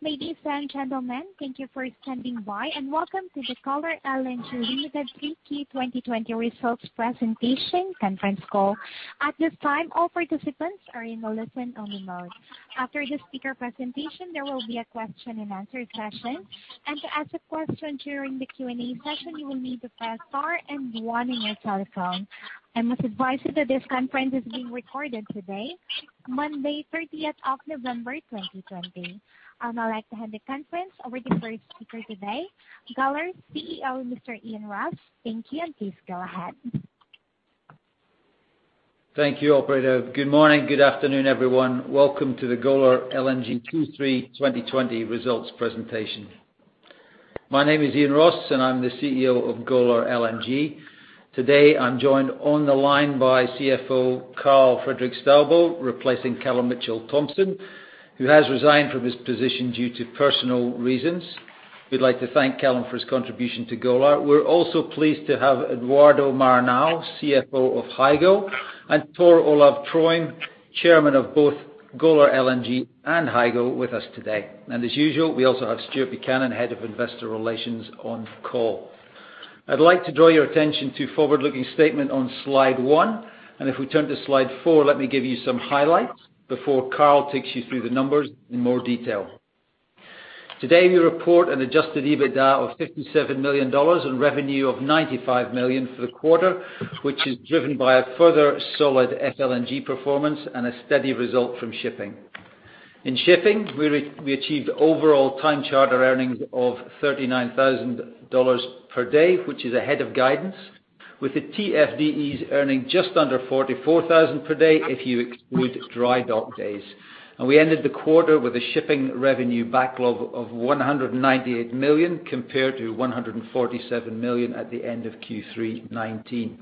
Ladies and gentlemen, thank you for standing by and welcome to the Golar LNG Limited 3Q 2020 results presentation conference call. At this time, all participants are in a listen-only mode. After the speaker presentation, there will be a question and answer session. To ask a question during the Q&A session, you will need to press star and one on your telephone. I must advise you that this conference is being recorded today, Monday, 30th of November 2020. I would like to hand the conference over to the first speaker today, Golar's CEO, Mr. Iain Ross. Thank you. Please go ahead. Thank you, operator. Good morning. Good afternoon, everyone. Welcome to the Golar LNG Q3 2020 results presentation. My name is Iain Ross, and I'm the CEO of Golar LNG. Today, I'm joined on the line by CFO Karl Fredrik Staubo, replacing Callum Mitchell-Thomson, who has resigned from his position due to personal reasons. We'd like to thank Callum for his contribution to Golar. We're also pleased to have Eduardo Maranhão, CFO of Hygo, and Tor Olav Trøim, Chairman of both Golar LNG and Hygo, with us today. As usual, we also have Stuart Buchanan, Head of Investor Relations, on call. I'd like to draw your attention to forward-looking statement on Slide one. If we turn to Slide four, let me give you some highlights before Karl takes you through the numbers in more detail. Today, we report an adjusted EBITDA of $57 million and revenue of $95 million for the quarter, which is driven by a further solid FLNG performance and a steady result from shipping. In shipping, we achieved overall time charter earnings of $39,000 per day, which is ahead of guidance, with the TFDEs earning just under $44,000 per day if you exclude dry dock days. We ended the quarter with a shipping revenue backlog of $198 million compared to $147 million at the end of Q3 2019.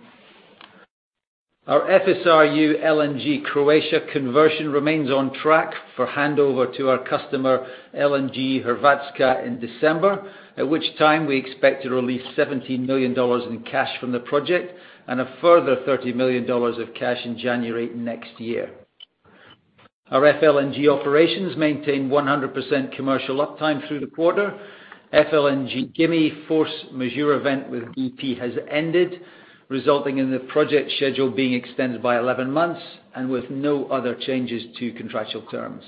Our FSRU LNG Croatia conversion remains on track for handover to our customer, LNG Hrvatska, in December, at which time we expect to release $17 million in cash from the project and a further $30 million of cash in January next year. Our FLNG operations maintained 100% commercial uptime through the quarter. FLNG Gimi force majeure event with BP has ended, resulting in the project schedule being extended by 11 months and with no other changes to contractual terms.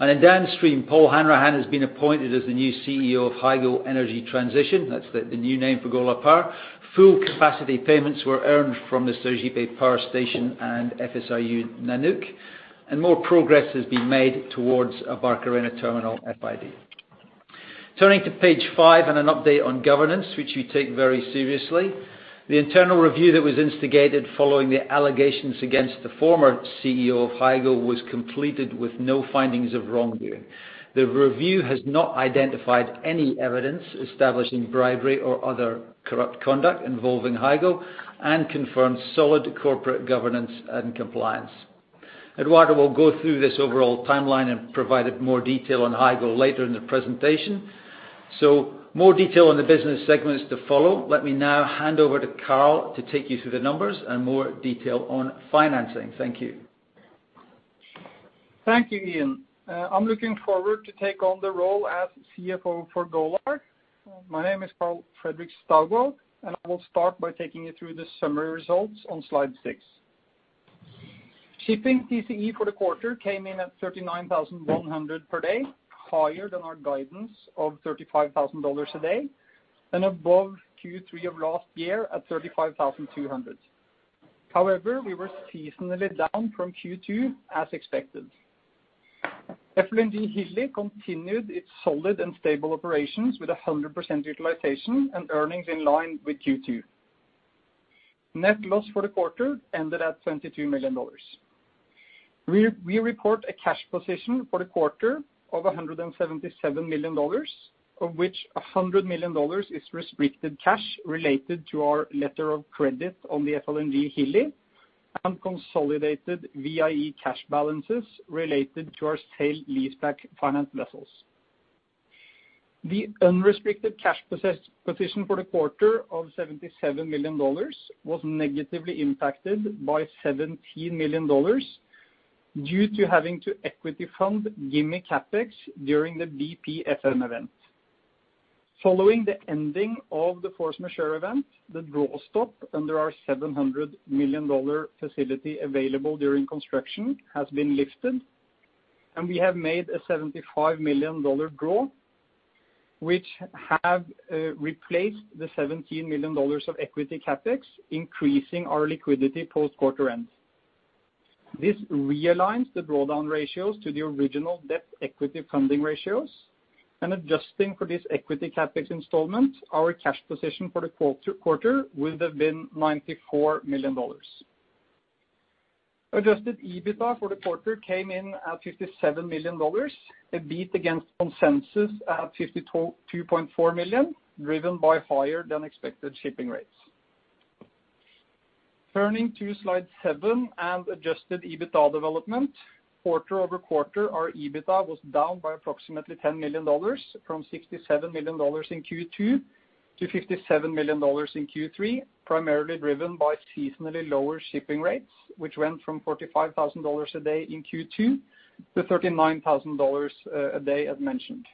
In downstream, Paul Hanrahan has been appointed as the new CEO of Hygo Energy Transition. That's the new name for Golar Power. Full capacity payments were earned from the Sergipe Power Station and FSRU Nanook, more progress has been made towards a Barcarena terminal FID. Turning to page five, an update on governance, which we take very seriously. The internal review that was instigated following the allegations against the former CEO of Hygo was completed with no findings of wrongdoing. The review has not identified any evidence establishing bribery or other corrupt conduct involving Hygo and confirms solid corporate governance and compliance. Eduardo will go through this overall timeline and provide more detail on Hygo later in the presentation. More detail on the business segment is to follow. Let me now hand over to Karl to take you through the numbers and more detail on financing. Thank you. Thank you, Iain. I'm looking forward to take on the role as CFO for Golar. My name is Karl Fredrik Staubo. I will start by taking you through the summary results on slide six. Shipping TCE for the quarter came in at $39,100 per day, higher than our guidance of $35,000 a day and above Q3 of last year at $35,200. However, we were seasonally down from Q2 as expected. FLNG Hilli continued its solid and stable operations with 100% utilization and earnings in line with Q2. Net loss for the quarter ended at $22 million. We report a cash position for the quarter of $177 million, of which $100 million is restricted cash related to our letter of credit on the FLNG Hilli and consolidated VIE cash balances related to our sale leaseback finance vessels. The unrestricted cash position for the quarter of $77 million was negatively impacted by $17 million due to having to equity fund Gimi CapEx during the BP FM event. Following the ending of the force majeure event, the draw stop under our $700 million facility available during construction has been lifted, and we have made a $75 million draw, which have replaced the $17 million of equity CapEx, increasing our liquidity post-quarter end. This realigns the drawdown ratios to the original debt equity funding ratios, adjusting for this equity CapEx installment, our cash position for the quarter would have been $94 million. Adjusted EBITDA for the quarter came in at $57 million, a beat against consensus at $52.4 million, driven by higher-than-expected shipping rates. Turning to Slide seven and adjusted EBITDA development. Quarter-over-quarter, our EBITDA was down by approximately $10 million, from $67 million in Q2 to $57 million in Q3, primarily driven by seasonally lower shipping rates, which went from $45,000 a day in Q2 to $39,000 a day as mentioned.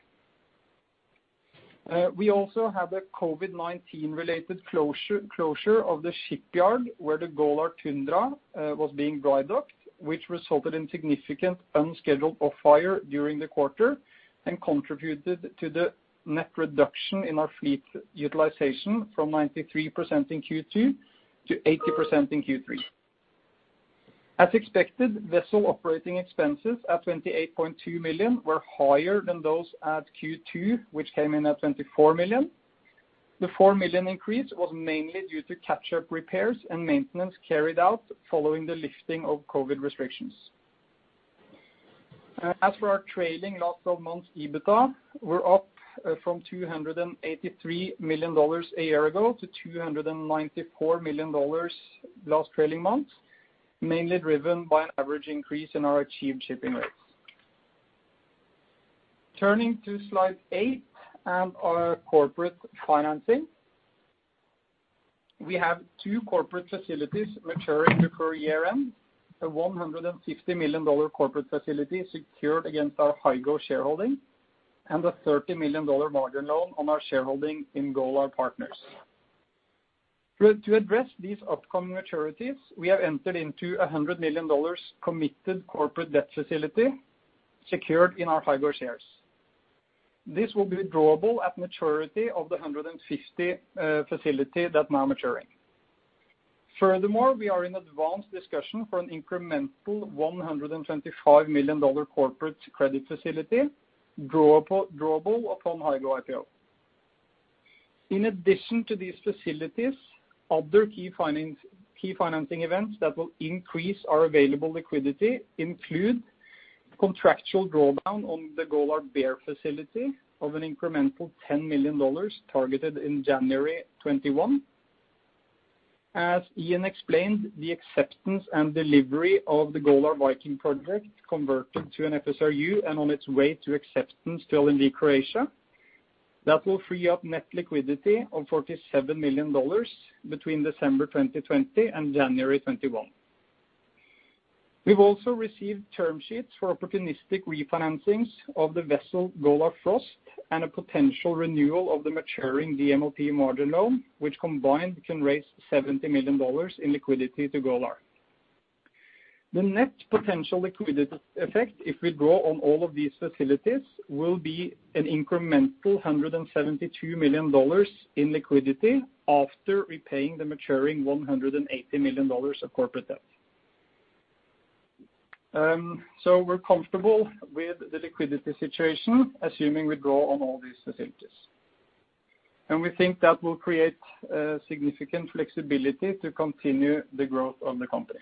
We also had a COVID-19 related closure of the shipyard where the Golar Tundra was being dry docked, which resulted in significant unscheduled off-hire during the quarter and contributed to the net reduction in our fleet utilization from 93% in Q2 to 80% in Q3. As expected, vessel operating expenses at $28.2 million were higher than those at Q2, which came in at $24 million. The $4 million increase was mainly due to catch-up repairs and maintenance carried out following the lifting of COVID restrictions. As for our trailing 12 months EBITDA, we're up from $283 million a year ago to $294 million last trailing 12 months, mainly driven by an average increase in our achieved shipping rates. Turning to slide eight and our corporate financing. We have two corporate facilities maturing before year-end. A $150 million corporate facility secured against our Hygo shareholding and a $30 million margin loan on our shareholding in Golar Partners. To address these upcoming maturities, we have entered into $100 million committed corporate debt facility secured in our Hygo shares. This will be drawable at maturity of the $150 million facility that now maturing. We are in advanced discussion for an incremental $125 million corporate credit facility, drawable upon Hygo IPO. In addition to these facilities, other key financing events that will increase our available liquidity include contractual drawdown on the Golar Bear facility of an incremental $10 million targeted in January 2021. As Iain explained, the acceptance and delivery of the Golar Viking project converted to an FSRU and on its way to acceptance to LNG Croatia. That will free up net liquidity of $47 million between December 2020 and January 2021. We've also received term sheets for opportunistic refinancings of the vessel Golar Frost and a potential renewal of the maturing GMLP margin loan, which combined can raise $70 million in liquidity to Golar. The net potential liquidity effect, if we draw on all of these facilities, will be an incremental $172 million in liquidity after repaying the maturing $180 million of corporate debt. We're comfortable with the liquidity situation, assuming we draw on all these facilities. We think that will create significant flexibility to continue the growth of the company.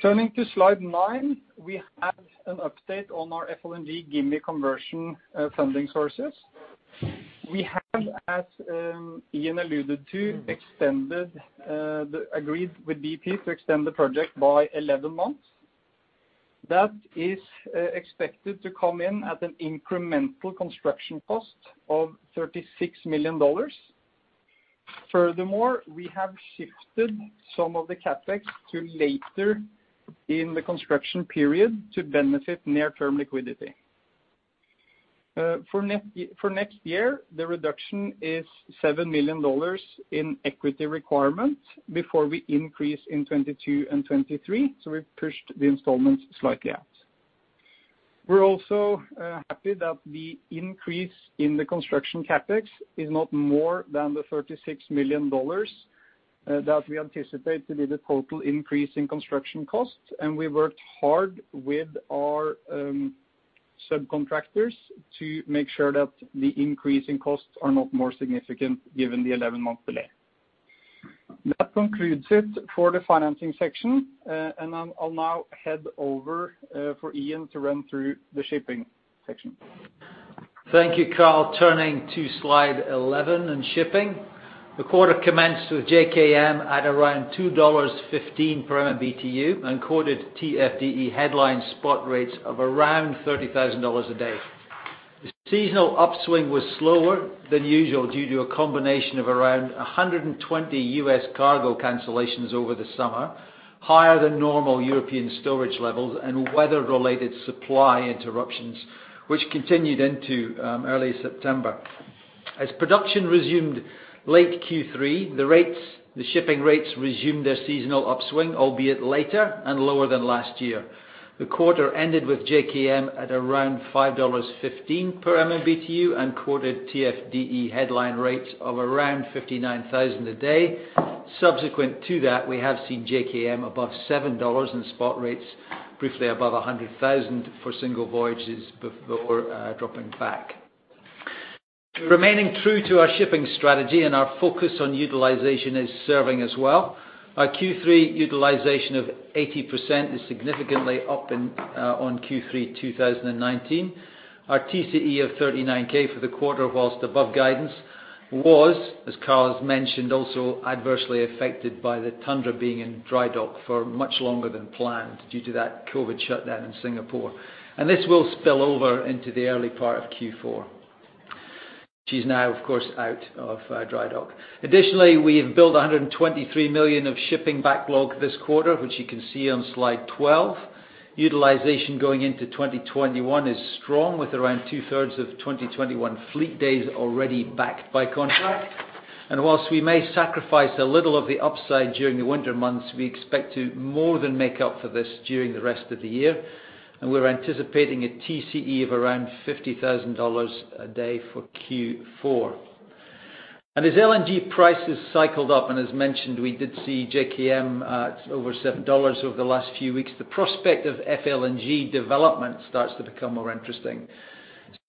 Turning to slide nine, we have an update on our FLNG Gimi conversion funding sources. We have, as Iain alluded to, agreed with BP to extend the project by 11 months. That is expected to come in at an incremental construction cost of $36 million. Furthermore, we have shifted some of the CapEx to later in the construction period to benefit near-term liquidity. For next year, the reduction is $7 million in equity requirement before we increase in 2022 and 2023. We pushed the installments slightly out. We're also happy that the increase in the construction CapEx is not more than the $36 million that we anticipate to be the total increase in construction cost. We worked hard with our subcontractors to make sure that the increase in costs are not more significant given the 11-month delay. That concludes it for the financing section, and I'll now head over for Iain to run through the shipping section. Thank you, Karl. Turning to slide 11 in shipping. The quarter commenced with JKM at around $2.15 per MMBtu and quoted TFDE headline spot rates of around $30,000 a day. The seasonal upswing was slower than usual due to a combination of around 120 U.S. cargo cancellations over the summer, higher than normal European storage levels and weather-related supply interruptions, which continued into early September. Production resumed late Q3, the shipping rates resumed their seasonal upswing, albeit later and lower than last year. The quarter ended with JKM at around $5.15 per MMBtu and quoted TFDE headline rates of around $59,000 a day. Subsequent to that, we have seen JKM above $7 and spot rates briefly above $100,000 for single voyages before dropping back. Remaining true to our shipping strategy and our focus on utilization is serving us well. Our Q3 utilization of 80% is significantly up on Q3 2019. Our TCE of $39,000 for the quarter, whilst above guidance was, as Karl has mentioned, also adversely affected by the Tundra being in dry dock for much longer than planned due to that COVID shutdown in Singapore. This will spill over into the early part of Q4. She's now, of course, out of dry dock. Additionally, we've built $123 million of shipping backlog this quarter, which you can see on slide 12. Utilization going into 2021 is strong with around two-thirds of 2021 fleet days already backed by contract. Whilst we may sacrifice a little of the upside during the winter months, we expect to more than make up for this during the rest of the year. We're anticipating a TCE of around $50,000 a day for Q4. As LNG prices cycled up, and as mentioned, we did see JKM at over $7 over the last few weeks, the prospect of FLNG development starts to become more interesting.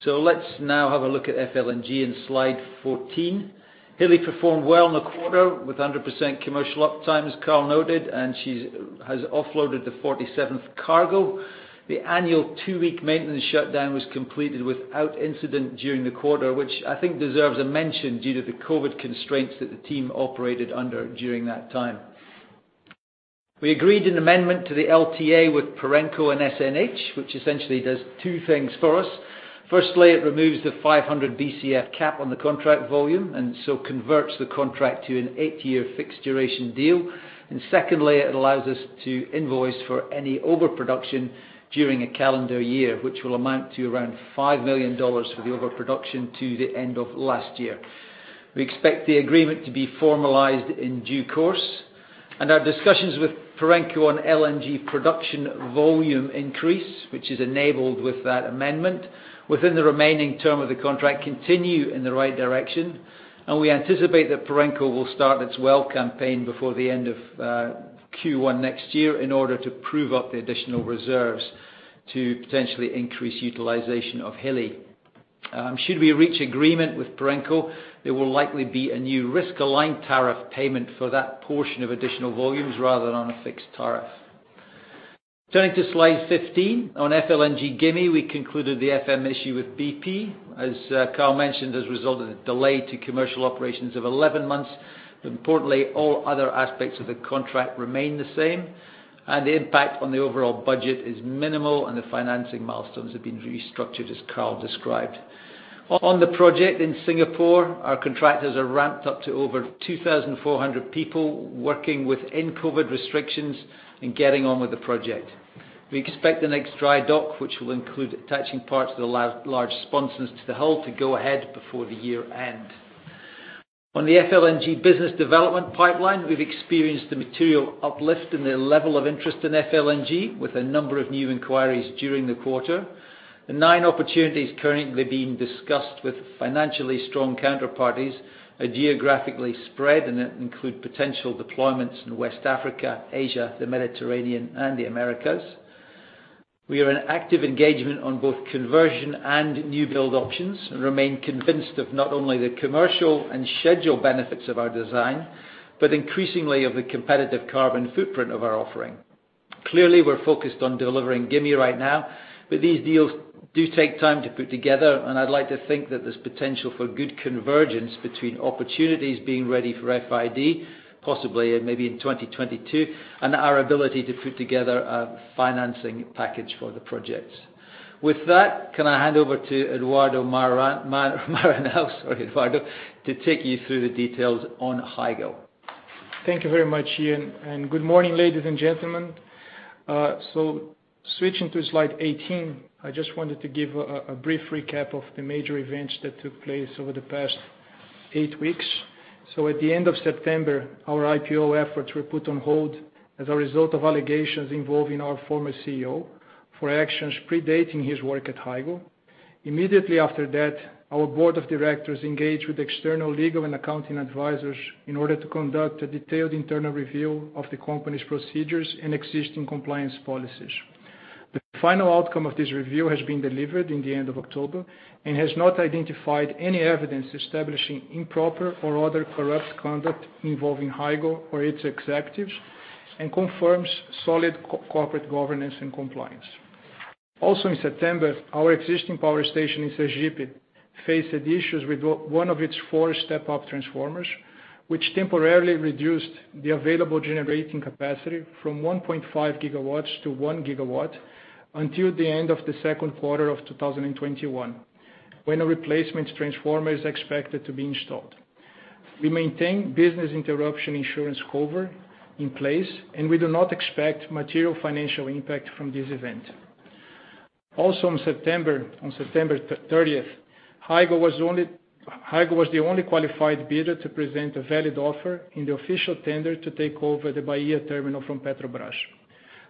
Let's now have a look at FLNG in slide 14. Hilli performed well in the quarter with 100% commercial uptime, as Karl noted, and she has offloaded the 47th cargo. The annual two-week maintenance shutdown was completed without incident during the quarter, which I think deserves a mention due to the COVID constraints that the team operated under during that time. We agreed an amendment to the LTA with Perenco and SNH, which essentially does two things for us. Firstly, it removes the 500 BCF cap on the contract volume, and so converts the contract to an eight-year fixed duration deal. Secondly, it allows us to invoice for any overproduction during a calendar year, which will amount to around $5 million for the overproduction to the end of last year. We expect the agreement to be formalized in due course, and our discussions with Perenco on LNG production volume increase, which is enabled with that amendment, within the remaining term of the contract, continue in the right direction, and we anticipate that Perenco will start its well campaign before the end of Q1 next year in order to prove up the additional reserves to potentially increase utilization of Hilli. Should we reach agreement with Perenco, there will likely be a new risk-aligned tariff payment for that portion of additional volumes rather than a fixed tariff. Turning to slide 15. On FLNG Gimi, we concluded the FM issue with BP. As Karl Fredrik mentioned, as a result of the delay to commercial operations of 11 months, but importantly, all other aspects of the contract remain the same, and the impact on the overall budget is minimal, and the financing milestones have been restructured as Karl Fredrik described. On the project in Singapore, our contractors are ramped up to over 2,400 people, working within COVID restrictions and getting on with the project. We expect the next dry dock, which will include attaching parts of the last large sponsons to the hull, to go ahead before the year-end. On the FLNG business development pipeline, we've experienced a material uplift in the level of interest in FLNG with a number of new inquiries during the quarter. The nine opportunities currently being discussed with financially strong counterparties are geographically spread, and it includes potential deployments in West Africa, Asia, the Mediterranean, and the Americas. We are in active engagement on both conversion and new build options and remain convinced of not only the commercial and schedule benefits of our design, but increasingly of the competitive carbon footprint of our offering. Clearly, we're focused on delivering Gimi right now. These deals do take time to put together, and I'd like to think that there's potential for good convergence between opportunities being ready for FID, possibly maybe in 2022, and our ability to put together a financing package for the project. With that, can I hand over to Eduardo Maranhão. Sorry, Eduardo, to take you through the details on Hygo. Thank you very much, Iain, and good morning, ladies and gentlemen. Switching to slide 18, I just wanted to give a brief recap of the major events that took place over the past eight weeks. At the end of September, our IPO efforts were put on hold as a result of allegations involving our former CEO for actions predating his work at Hygo. Immediately after that, our board of directors engaged with external legal and accounting advisors in order to conduct a detailed internal review of the company's procedures and existing compliance policies. The final outcome of this review has been delivered at the end of October and has not identified any evidence establishing improper or other corrupt conduct involving Hygo or its executives and confirms solid corporate governance and compliance. In September, our existing power station in Sergipe faced issues with one of its four step-up transformers, which temporarily reduced the available generating capacity from 1.5 GW to 1 GW until the end of the second quarter of 2021, when a replacement transformer is expected to be installed. We maintain business interruption insurance cover in place, and we do not expect material financial impact from this event. On September 30th, Hygo was the only qualified bidder to present a valid offer in the official tender to take over the Bahia terminal from Petrobras.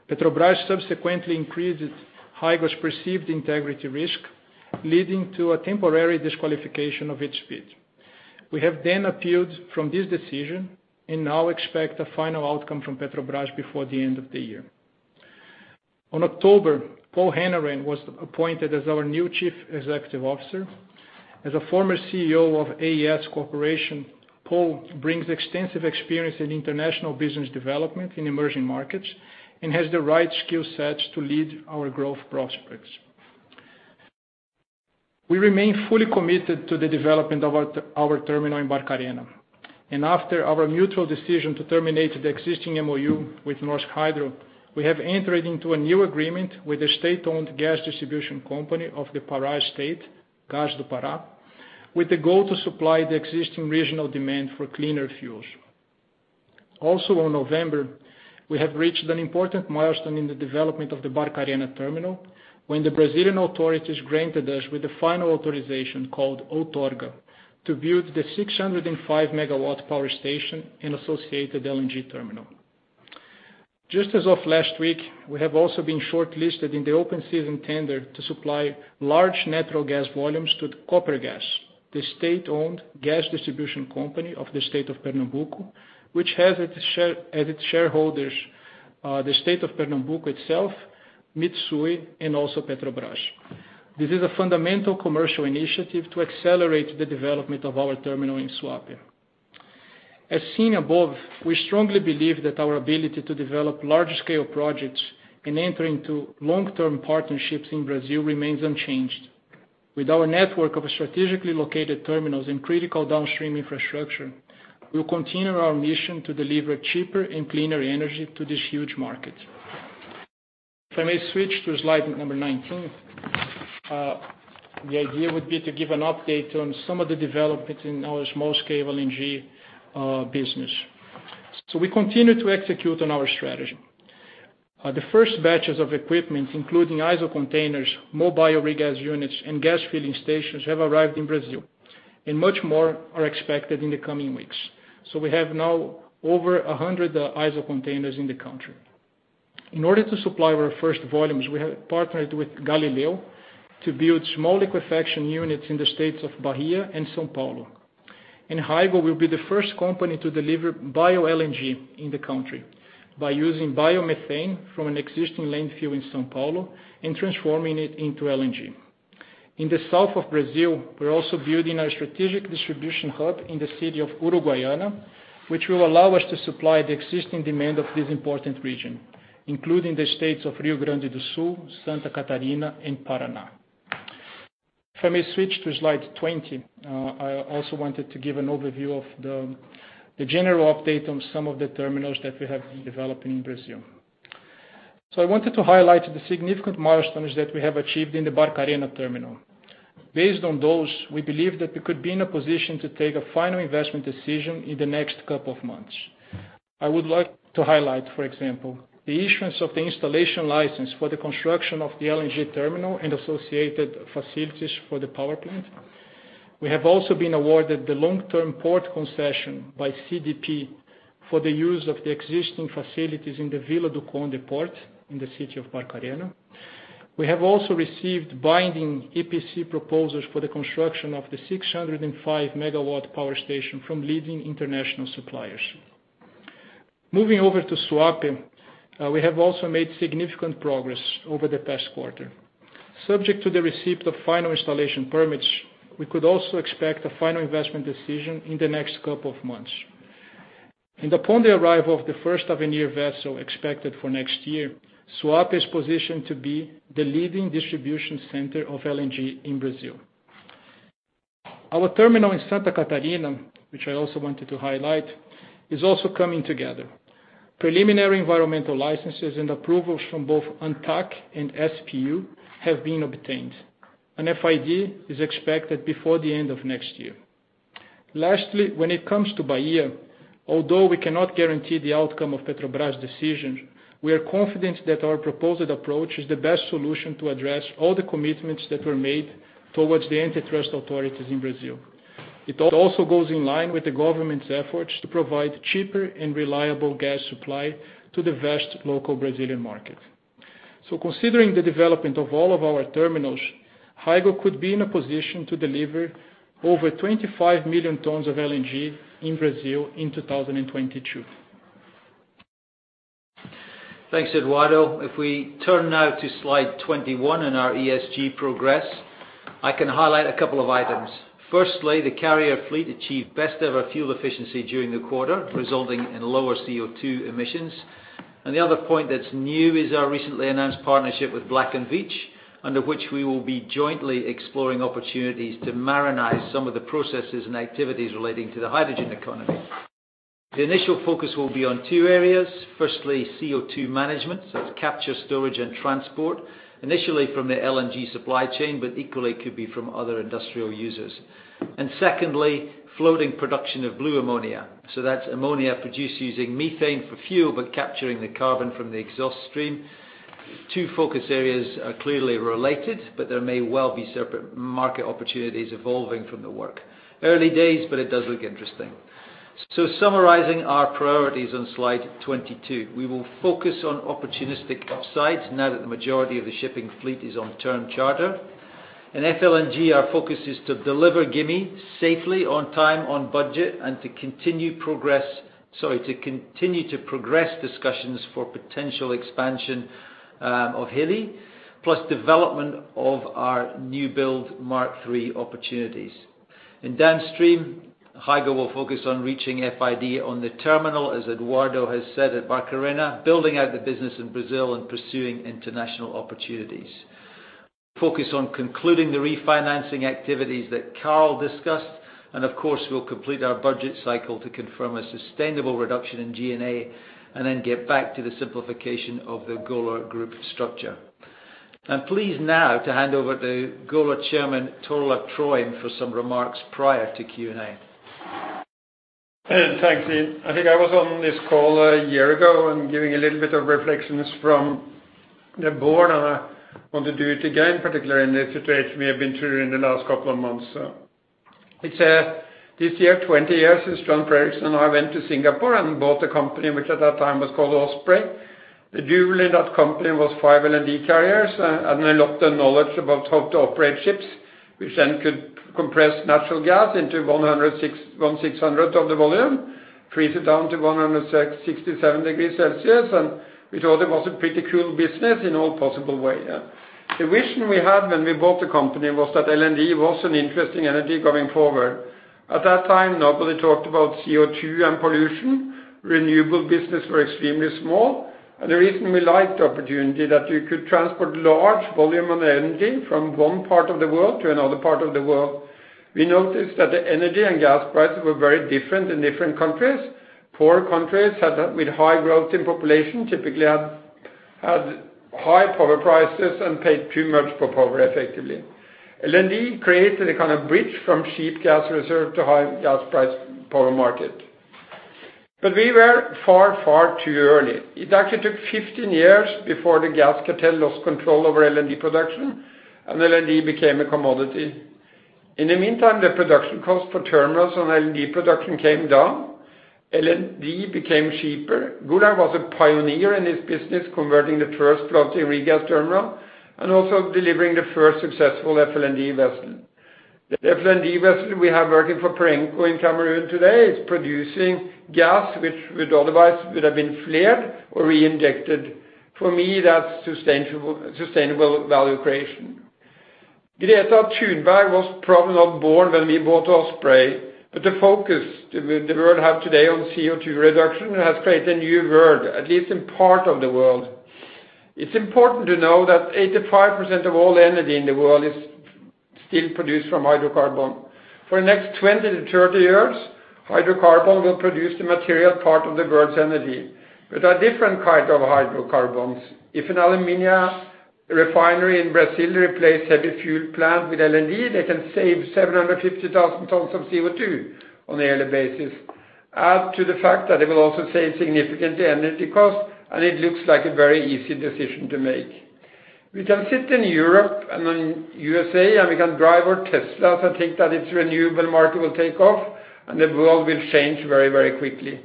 Petrobras subsequently increased Hygo's perceived integrity risk, leading to a temporary disqualification of its bid. We have appealed from this decision and now expect a final outcome from Petrobras before the end of the year. In October, Paul Hanrahan was appointed as our new Chief Executive Officer. As a former CEO of AES Corporation, Paul brings extensive experience in international business development in emerging markets and has the right skill sets to lead our growth prospects. We remain fully committed to the development of our terminal in Barcarena, and after our mutual decision to terminate the existing MoU with Norsk Hydro, we have entered into a new agreement with the state-owned gas distribution company of the Pará State, Gas do Pará, with the goal to supply the existing regional demand for cleaner fuels. In November, we have reached an important milestone in the development of the Barcarena terminal, when the Brazilian authorities granted us with the final authorization, called Outorga, to build the 605 MW power station and associated LNG terminal. Just as of last week, we have also been shortlisted in the open season tender to supply large natural gas volumes to Copergás, the state-owned gas distribution company of the state of Pernambuco, which has as its shareholders, the state of Pernambuco itself, Mitsui, and also Petrobras. This is a fundamental commercial initiative to accelerate the development of our terminal in Suape. As seen above, we strongly believe that our ability to develop large-scale projects and enter into long-term partnerships in Brazil remains unchanged. With our network of strategically located terminals and critical downstream infrastructure, we will continue our mission to deliver cheaper and cleaner energy to this huge market. If I may switch to slide number 19. The idea would be to give an update on some of the developments in our small-scale LNG business. We continue to execute on our strategy. The first batches of equipment, including ISO containers, mobile regas units, and gas filling stations, have arrived in Brazil, and much more are expected in the coming weeks. We have now over 100 iso containers in the country. In order to supply our first volumes, we have partnered with Galileo Technologies to build small liquefaction units in the states of Bahia and São Paulo. Hygo Energy Transition will be the first company to deliver bio-LNG in the country by using biomethane from an existing landfill in São Paulo and transforming it into LNG. In the south of Brazil, we are also building our strategic distribution hub in the city of Uruguaiana, which will allow us to supply the existing demand of this important region, including the states of Rio Grande do Sul, Santa Catarina, and Paraná. If I may switch to slide 20. I also wanted to give an overview of the general update on some of the terminals that we have been developing in Brazil. I wanted to highlight the significant milestones that we have achieved in the Barcarena terminal. Based on those, we believe that we could be in a position to take a final investment decision in the next couple of months. I would like to highlight, for example, the issuance of the installation license for the construction of the LNG terminal and associated facilities for the power plant. We have also been awarded the long-term port concession by CDP for the use of the existing facilities in the Vila do Conde port in the city of Barcarena. We have also received binding EPC proposals for the construction of the 605 MW power station from leading international suppliers. Moving over to Suape, we have also made significant progress over the past quarter. Subject to the receipt of final installation permits, we could also expect a final investment decision in the next couple of months. Upon the arrival of the first Avenir vessel expected for next year, Suape is positioned to be the leading distribution center of LNG in Brazil. Our terminal in Santa Catarina, which I also wanted to highlight, is also coming together. Preliminary environmental licenses and approvals from both ANTAQ and SPU have been obtained. An FID is expected before the end of next year. Lastly, when it comes to Bahia, although we cannot guarantee the outcome of Petrobras' decision, we are confident that our proposed approach is the best solution to address all the commitments that were made towards the antitrust authorities in Brazil. It also goes in line with the government's efforts to provide cheaper and reliable gas supply to the vast local Brazilian market. Considering the development of all of our terminals, Hygo could be in a position to deliver over 25 million tons of LNG in Brazil in 2022. Thanks, Eduardo. If we turn now to slide 21 in our ESG progress, I can highlight a couple of items. Firstly, the carrier fleet achieved best-ever fuel efficiency during the quarter, resulting in lower CO2 emissions. The other point that's new is our recently announced partnership with Black & Veatch, under which we will be jointly exploring opportunities to marinize some of the processes and activities relating to the hydrogen economy. The initial focus will be on two areas. Firstly, CO2 management, so that's capture, storage, and transport, initially from the LNG supply chain, but equally could be from other industrial users. Secondly, floating production of blue ammonia. That's ammonia produced using methane for fuel, but capturing the carbon from the exhaust stream. Two focus areas are clearly related, but there may well be separate market opportunities evolving from the work. Early days, but it does look interesting. Summarizing our priorities on slide 22. We will focus on opportunistic upsides now that the majority of the shipping fleet is on term charter. In FLNG, our focus is to deliver Gimi safely, on time, on budget, and to continue to progress discussions for potential expansion of Hilli, plus development of our new build Mark III opportunities. In downstream, Hygo will focus on reaching FID on the terminal, as Eduardo has said, at Barcarena, building out the business in Brazil and pursuing international opportunities. Focus on concluding the refinancing activities that Karl discussed, and of course, we'll complete our budget cycle to confirm a sustainable reduction in G&A and then get back to the simplification of the Golar group structure. I'm pleased now to hand over to Golar Chairman, Tor Olav Trøim, for some remarks prior to Q&A. Hey, thanks, Iain. I think I was on this call a year ago and giving a little bit of reflections from the board, and I want to do it again, particularly in the situation we have been through in the last couple of months. It's this year 20 years since John Fredriksen and I went to Singapore and bought a company which at that time was called Osprey. The jewel in that company was five LNG carriers and a lot of knowledge about how to operate ships, which then could compress natural gas into 1/600th of the volume, freeze it down to 167 degrees Celsius, and we thought it was a pretty cool business in all possible way. The vision we had when we bought the company was that LNG was an interesting energy going forward. At that time, nobody talked about CO2 and pollution. Renewable business were extremely small. The reason we liked the opportunity that you could transport large volume of LNG from one part of the world to another part of the world. We noticed that the energy and gas prices were very different in different countries. Poor countries with high growth in population typically had high power prices and paid too much for power effectively. LNG created a kind of bridge from cheap gas reserve to high gas price power market. We were far, far too early. It actually took 15 years before the gas cartel lost control over LNG production and LNG became a commodity. In the meantime, the production cost for terminals and LNG production came down. LNG became cheaper. Golar was a pioneer in this business, converting the first floating regas terminal and also delivering the first successful FLNG vessel. The FLNG vessel we have working for Perenco in Cameroon today is producing gas, which would otherwise have been flared or reinjected. For me, that's sustainable value creation. The focus the world have today on CO2 reduction has created a new world, at least in part of the world. It's important to know that 85% of all energy in the world is still produced from hydrocarbon. For the next 20-30 years, hydrocarbon will produce the material part of the world's energy with a different kind of hydrocarbons. If an aluminum refinery in Brazil replace heavy fuel plant with LNG, they can save 750,000 tons of CO2 on a yearly basis. Add to the fact that they will also save significant energy cost, it looks like a very easy decision to make. We can sit in Europe and in U.S.A. and we can drive our Teslas and think that its renewable market will take off and the world will change very, very quickly.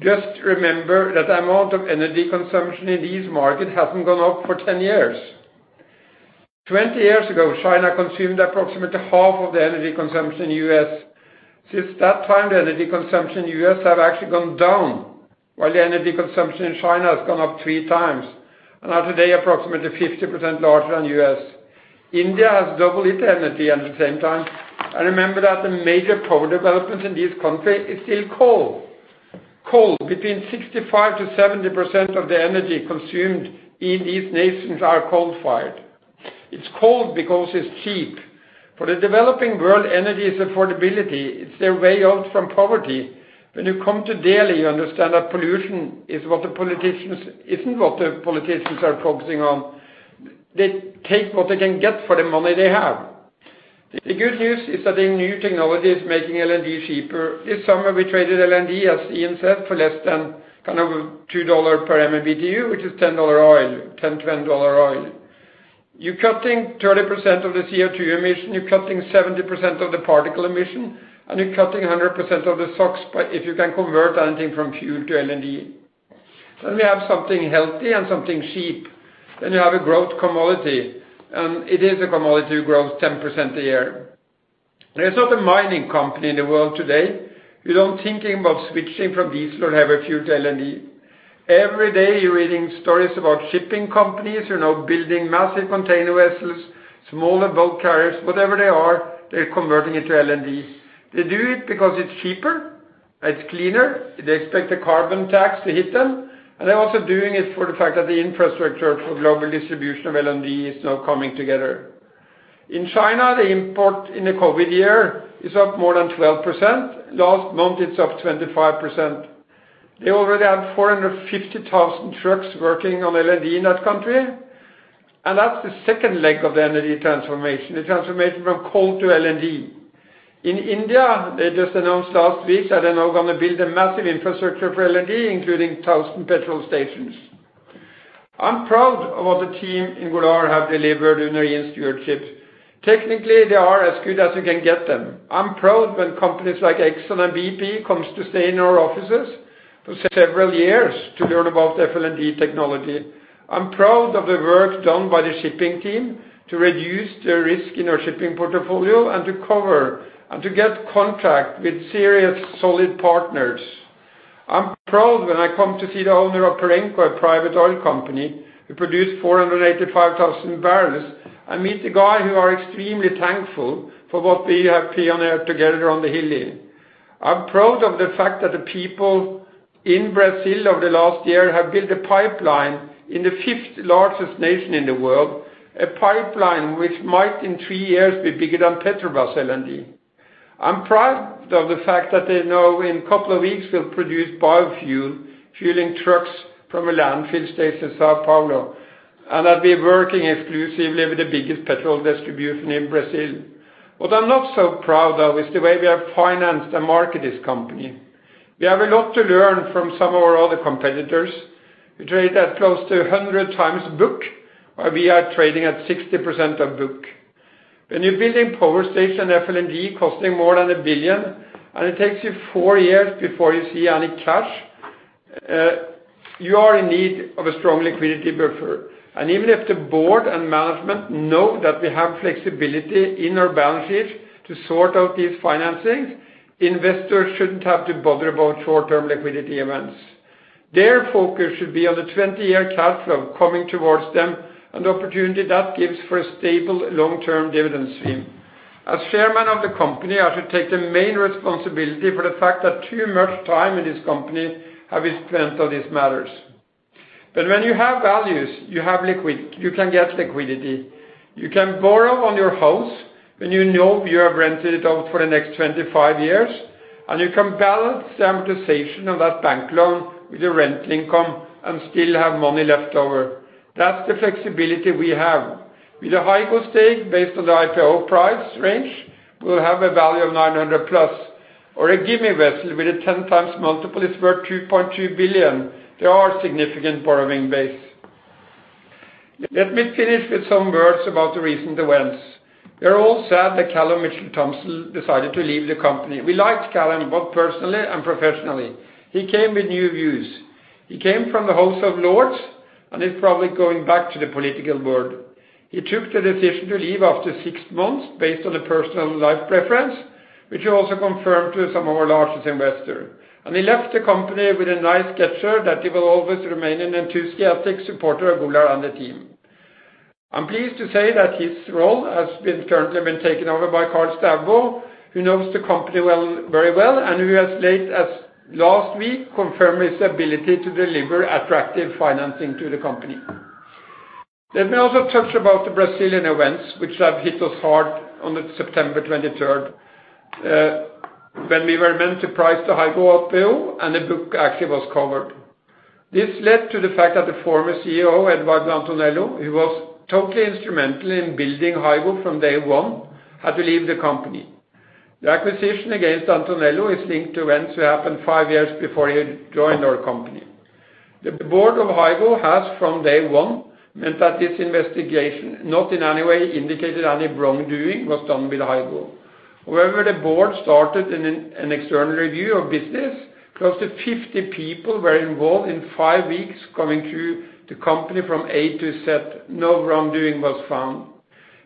Just remember that the amount of energy consumption in these markets hasn't gone up for 10 years. 20 years ago, China consumed approximately half of the energy consumption in the U.S. Since that time, the energy consumption in U.S. have actually gone down while the energy consumption in China has gone up 3 times, and are today approximately 50% larger than U.S. India has doubled its energy at the same time. Remember that the major power developments in this country is still coal. Coal, between 65%-70% of the energy consumed in these nations are coal-fired. It's coal because it's cheap. For the developing world, energy is affordability. It's their way out from poverty. When you come to Delhi, you understand that pollution isn't what the politicians are focusing on. They take what they can get for the money they have. The good news is that the new technology is making LNG cheaper. This summer, we traded LNG, as Iain said, for less than $2 per MMBtu, which is $10 oil, $20 oil. You're cutting 30% of the CO2 emission, you're cutting 70% of the particle emission, and you're cutting 100% of the SOx if you can convert anything from fuel to LNG. We have something healthy and something cheap. You have a growth commodity, and it is a commodity who grows 10% a year. There's not a mining company in the world today who don't thinking about switching from diesel or heavy fuel to LNG. Every day, you're reading stories about shipping companies building massive container vessels, smaller bulk carriers, whatever they are, they're converting into LNG. They do it because it's cheaper, it's cleaner. They expect a carbon tax to hit them. They're also doing it for the fact that the infrastructure for global distribution of LNG is now coming together. In China, the import in the COVID year is up more than 12%. Last month, it's up 25%. They already have 450,000 trucks working on LNG in that country. That's the second leg of the energy transformation, the transformation from coal to LNG. In India, they just announced last week that they're now going to build a massive infrastructure for LNG, including 1,000 petrol stations. I'm proud of what the team in Golar have delivered under Iain's stewardship. Technically, they are as good as you can get them. I'm proud when companies like Exxon and BP comes to stay in our offices for several years to learn about FLNG technology. I'm proud of the work done by the shipping team to reduce the risk in our shipping portfolio and to cover and to get contract with serious, solid partners. I'm proud when I come to see the owner of Perenco, a private oil company who produce 485,000 barrels. I meet the guy who are extremely thankful for what we have pioneered together on the Hilli. I'm proud of the fact that the people in Brazil over the last year have built a pipeline in the fifth-largest nation in the world, a pipeline which might in three years be bigger than Petrobras LNG. I'm proud of the fact that in a couple of weeks, we'll produce biofuel, fueling trucks from a landfill site in São Paulo, and I've been working exclusively with the biggest petrol distribution in Brazil. What I'm not so proud of is the way we have financed and market this company. We have a lot to learn from some of our other competitors. We trade at close to 100 times book, while we are trading at 60% of book. When you're building power station FLNG costing more than $1 billion, and it takes you four years before you see any cash, you are in need of a strong liquidity buffer. Even if the board and management know that we have flexibility in our balance sheet to sort out this financing, investors shouldn't have to bother about short-term liquidity events. Their focus should be on the 20-year cash flow coming towards them and the opportunity that gives for a stable long-term dividend stream. As chairman of the company, I should take the main responsibility for the fact that too much time in this company has been spent on these matters. When you have values, you can get liquidity. You can borrow on your house when you know you have rented it out for the next 25 years, and you can balance the amortization of that bank loan with your rental income and still have money left over. That's the flexibility we have. With the Hygo stake based on the IPO price range, we'll have a value of 900+ or a Gimi Vessel with a 10x multiple is worth $2.2 billion. There are significant borrowing base. Let me finish with some words about the recent events. We are all sad that Callum Mitchell-Thomson decided to leave the company. We liked Callum both personally and professionally. He came with new views. He came from the House of Lords and is probably going back to the political world. He took the decision to leave after six months based on a personal life preference, which he also confirmed to some of our largest investors. He left the company with a nice gesture that he will always remain an enthusiastic supporter of Golar and the team. I'm pleased to say that his role has currently been taken over by Karl Staubo, who knows the company very well and who as late as last week confirmed his ability to deliver attractive financing to the company. Let me also touch about the Brazilian events, which have hit us hard on September 23rd, when we were meant to price the Hygo IPO, and the book actually was covered. This led to the fact that the former CEO, Eduardo Antonello, who was totally instrumental in building Hygo from day one, had to leave the company. The acquisition against Antonello is linked to events that happened five years before he joined our company. The board of Hygo has from day one meant that this investigation, not in any way indicated any wrongdoing was done with Hygo. However, the board started an external review of business. Close to 50 people were involved in five weeks combing through the company from A to Z. No wrongdoing was found.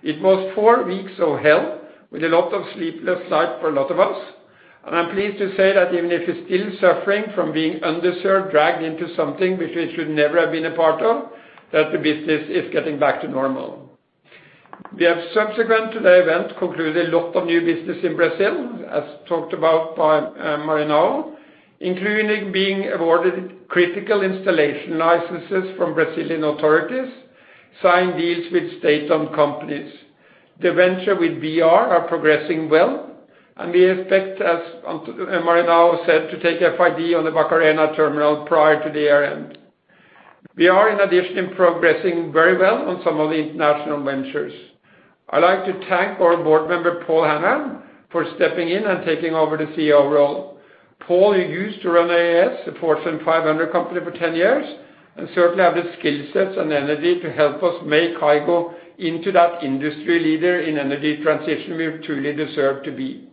It was four weeks of hell with a lot of sleepless nights for a lot of us. I'm pleased to say that even if it's still suffering from being underserved, dragged into something which we should never have been a part of, that the business is getting back to normal. We have subsequent to the event concluded a lot of new business in Brazil, as talked about by Maranhão, including being awarded critical installation licenses from Brazilian authorities, signed deals with state-owned companies. The venture with BR are progressing well. We expect, as Maranhão said, to take FID on the Barcarena terminal prior to the year-end. We are in addition progressing very well on some of the international ventures. I'd like to thank our board member, Paul Hanrahan, for stepping in and taking over the CEO role. Paul used to run AES, a Fortune 500 company for 10 years, and certainly have the skill sets and energy to help us make Hygo into that industry leader in energy transition we truly deserve to be.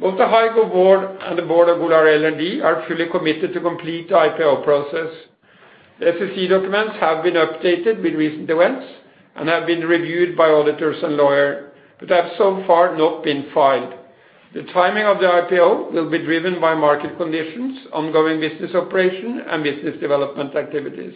Both the Hygo board and the board of Golar LNG are fully committed to complete the IPO process. The SEC documents have been updated with recent events and have been reviewed by auditors and lawyer, have so far not been filed. The timing of the IPO will be driven by market conditions, ongoing business operation, and business development activities.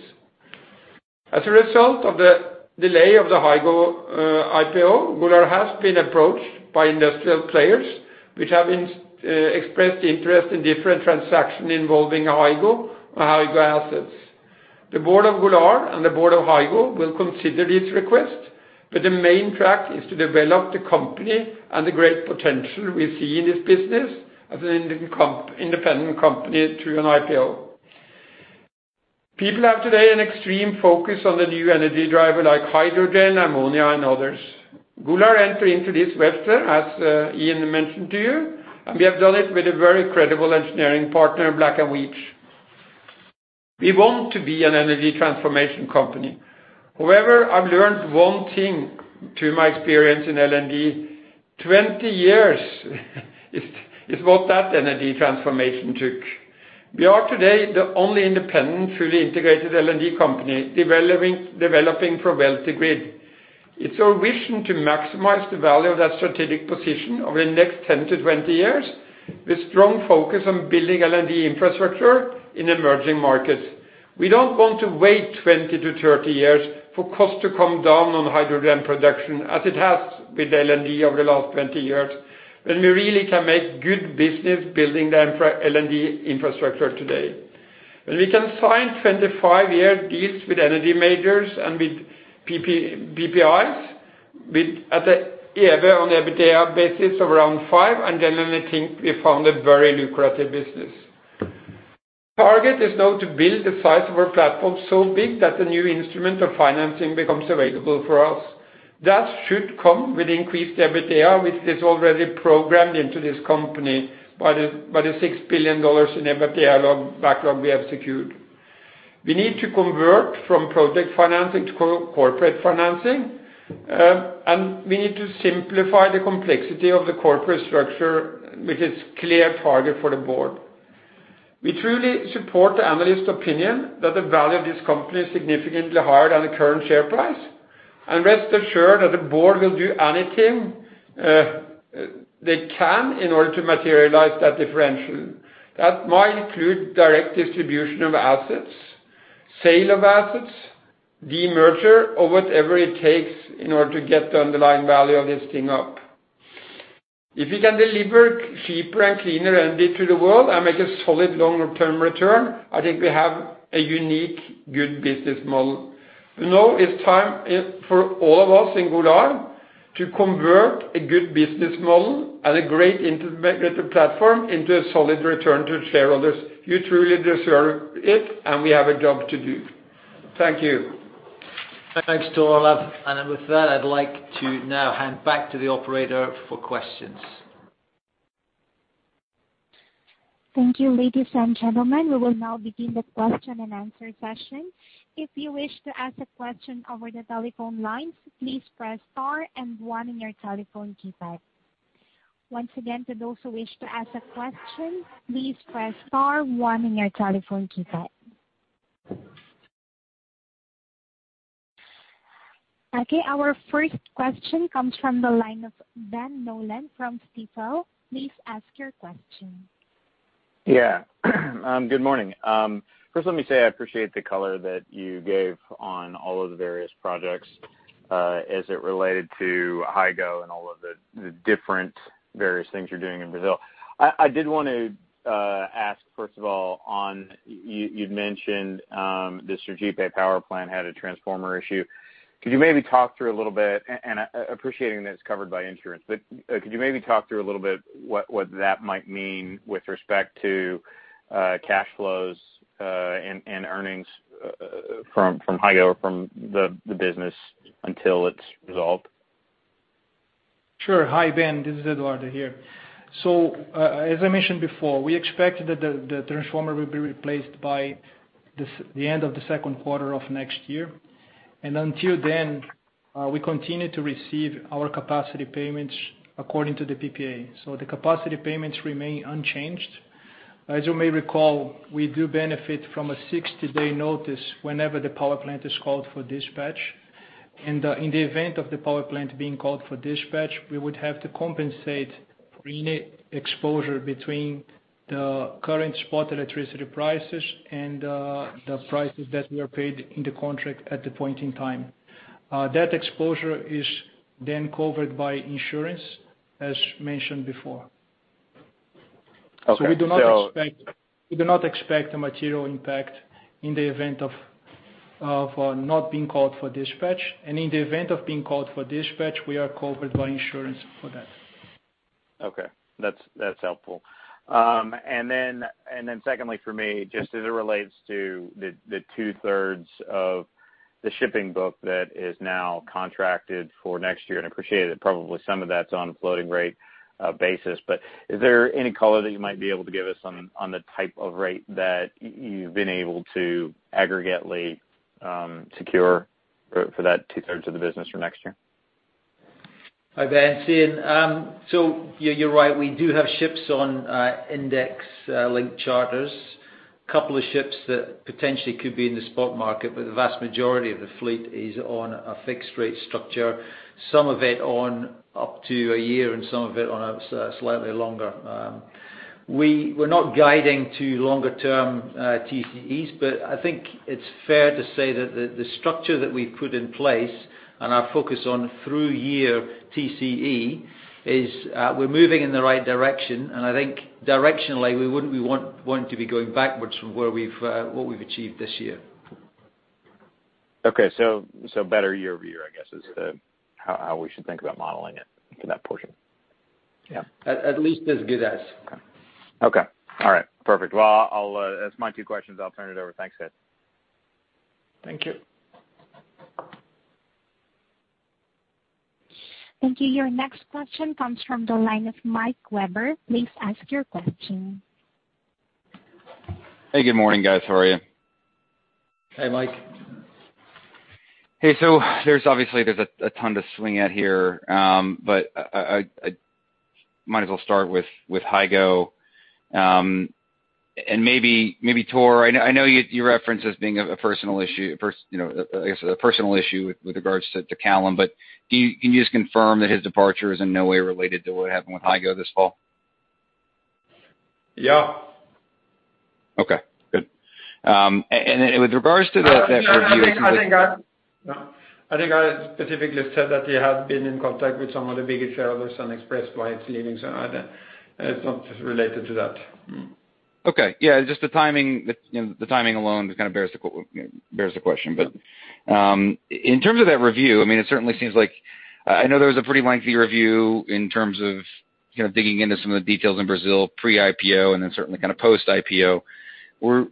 As a result of the delay of the Hygo IPO, Golar has been approached by industrial players which have expressed interest in different transaction involving Hygo or Hygo assets. The board of Golar and the board of Hygo will consider this request. The main track is to develop the company and the great potential we see in this business as an independent company through an IPO. People have today an extreme focus on the new energy driver like hydrogen, ammonia, and others. Golar enter into this venture, as Iain mentioned to you. We have done it with a very credible engineering partner, Black & Veatch. We want to be an energy transformation company. I've learned one thing through my experience in LNG. 20 years is what that energy transformation took. We are today the only independent, fully integrated LNG company developing from well to grid. It's our vision to maximize the value of that strategic position over the next 10-20 years, with strong focus on building LNG infrastructure in emerging markets. We don't want to wait 20-30 years for cost to come down on hydrogen production as it has with LNG over the last 20 years, when we really can make good business building the LNG infrastructure today. When we can sign 25-year deals with energy majors and with BPIs, with at an EV on EBITDA basis of around five, and then when we think we found a very lucrative business. Target is now to build the size of our platform so big that the new instrument of financing becomes available for us. That should come with increased EBITDA, which is already programmed into this company by the $6 billion in EBITDA backlog we have secured. We need to convert from project financing to corporate financing, and we need to simplify the complexity of the corporate structure, which is clear target for the board. We truly support the analyst opinion that the value of this company is significantly higher than the current share price. Rest assured that the board will do anything they can in order to materialize that differential. That might include direct distribution of assets, sale of assets, demerger, or whatever it takes in order to get the underlying value of this thing up. If we can deliver cheaper and cleaner energy to the world and make a solid longer-term return, I think we have a unique good business model. It's time for all of us in Golar to convert a good business model and a great integrated platform into a solid return to shareholders. You truly deserve it, and we have a job to do. Thank you. Thanks, Tor Olav. With that, I'd like to now hand back to the operator for questions. Thank you, ladies and gentlemen. We will now begin the question and answer session. If you wish to ask a question over the telephone line, please press star and one on your telephone keypad. Once again, to those who wish to ask a question, please press star one on your telephone keypad. Okay, our first question comes from the line of Ben Nolan from Stifel. Please ask your question. Yeah. Good morning. First let me say I appreciate the color that you gave on all of the various projects, as it related to Hygo and all of the different various things you're doing in Brazil. I did want to ask, first of all, You'd mentioned the Sergipe power plant had a transformer issue. Could you maybe talk through a little bit, and appreciating that it's covered by insurance, but could you maybe talk through a little bit what that might mean with respect to cash flows and earnings from Hygo or from the business until it's resolved? Sure. Hi, Ben. This is Eduardo here. As I mentioned before, we expect that the transformer will be replaced by the end of the second quarter of next year. Until then, we continue to receive our capacity payments according to the PPA. The capacity payments remain unchanged. As you may recall, we do benefit from a 60-day notice whenever the power plant is called for dispatch. In the event of the power plant being called for dispatch, we would have to compensate for any exposure between the current spot electricity prices and the prices that we are paid in the contract at that point in time. That exposure is then covered by insurance, as mentioned before. Okay. We do not expect a material impact in the event of not being called for dispatch. In the event of being called for dispatch, we are covered by insurance for that. Okay. That's helpful. Secondly for me, just as it relates to the 2/3 of the shipping book that is now contracted for next year, and I appreciate that probably some of that's on a floating rate basis, but is there any color that you might be able to give us on the type of rate that you've been able to aggregately secure for that two-thirds of the business for next year? Hi, Ben. Iain. You're right, we do have ships on index-linked charters. Couple of ships that potentially could be in the spot market, the vast majority of the fleet is on a fixed rate structure, some of it on up to a year and some of it on a slightly longer. We're not guiding to longer-term TCEs, I think it's fair to say that the structure that we've put in place and our focus on through year TCE is we're moving in the right direction and I think directionally, we wouldn't want to be going backwards from what we've achieved this year. Okay. Better year-over-year, I guess, is how we should think about modeling it for that portion. Yeah. At least as good as. Okay. All right. Perfect. Well, that's my two questions. I'll turn it over. Thanks, guys. Thank you. Thank you. Your next question comes from the line of Michael Webber. Please ask your question. Hey, good morning, guys. How are you? Hey, Mike. Hey, there's obviously a ton to swing at here. I might as well start with Hygo. Maybe Tor, I know you referenced this being a personal issue with regards to Callum, can you just confirm that his departure is in no way related to what happened with Hygo this fall? Yeah. Okay, good. I think I specifically said that he had been in contact with some of the biggest shareholders and expressed why it's leading. It's not related to that. Okay. Yeah, just the timing alone just kind of bears the question. In terms of that review, I know there was a pretty lengthy review in terms of digging into some of the details in Brazil pre-IPO, and then certainly post-IPO. Were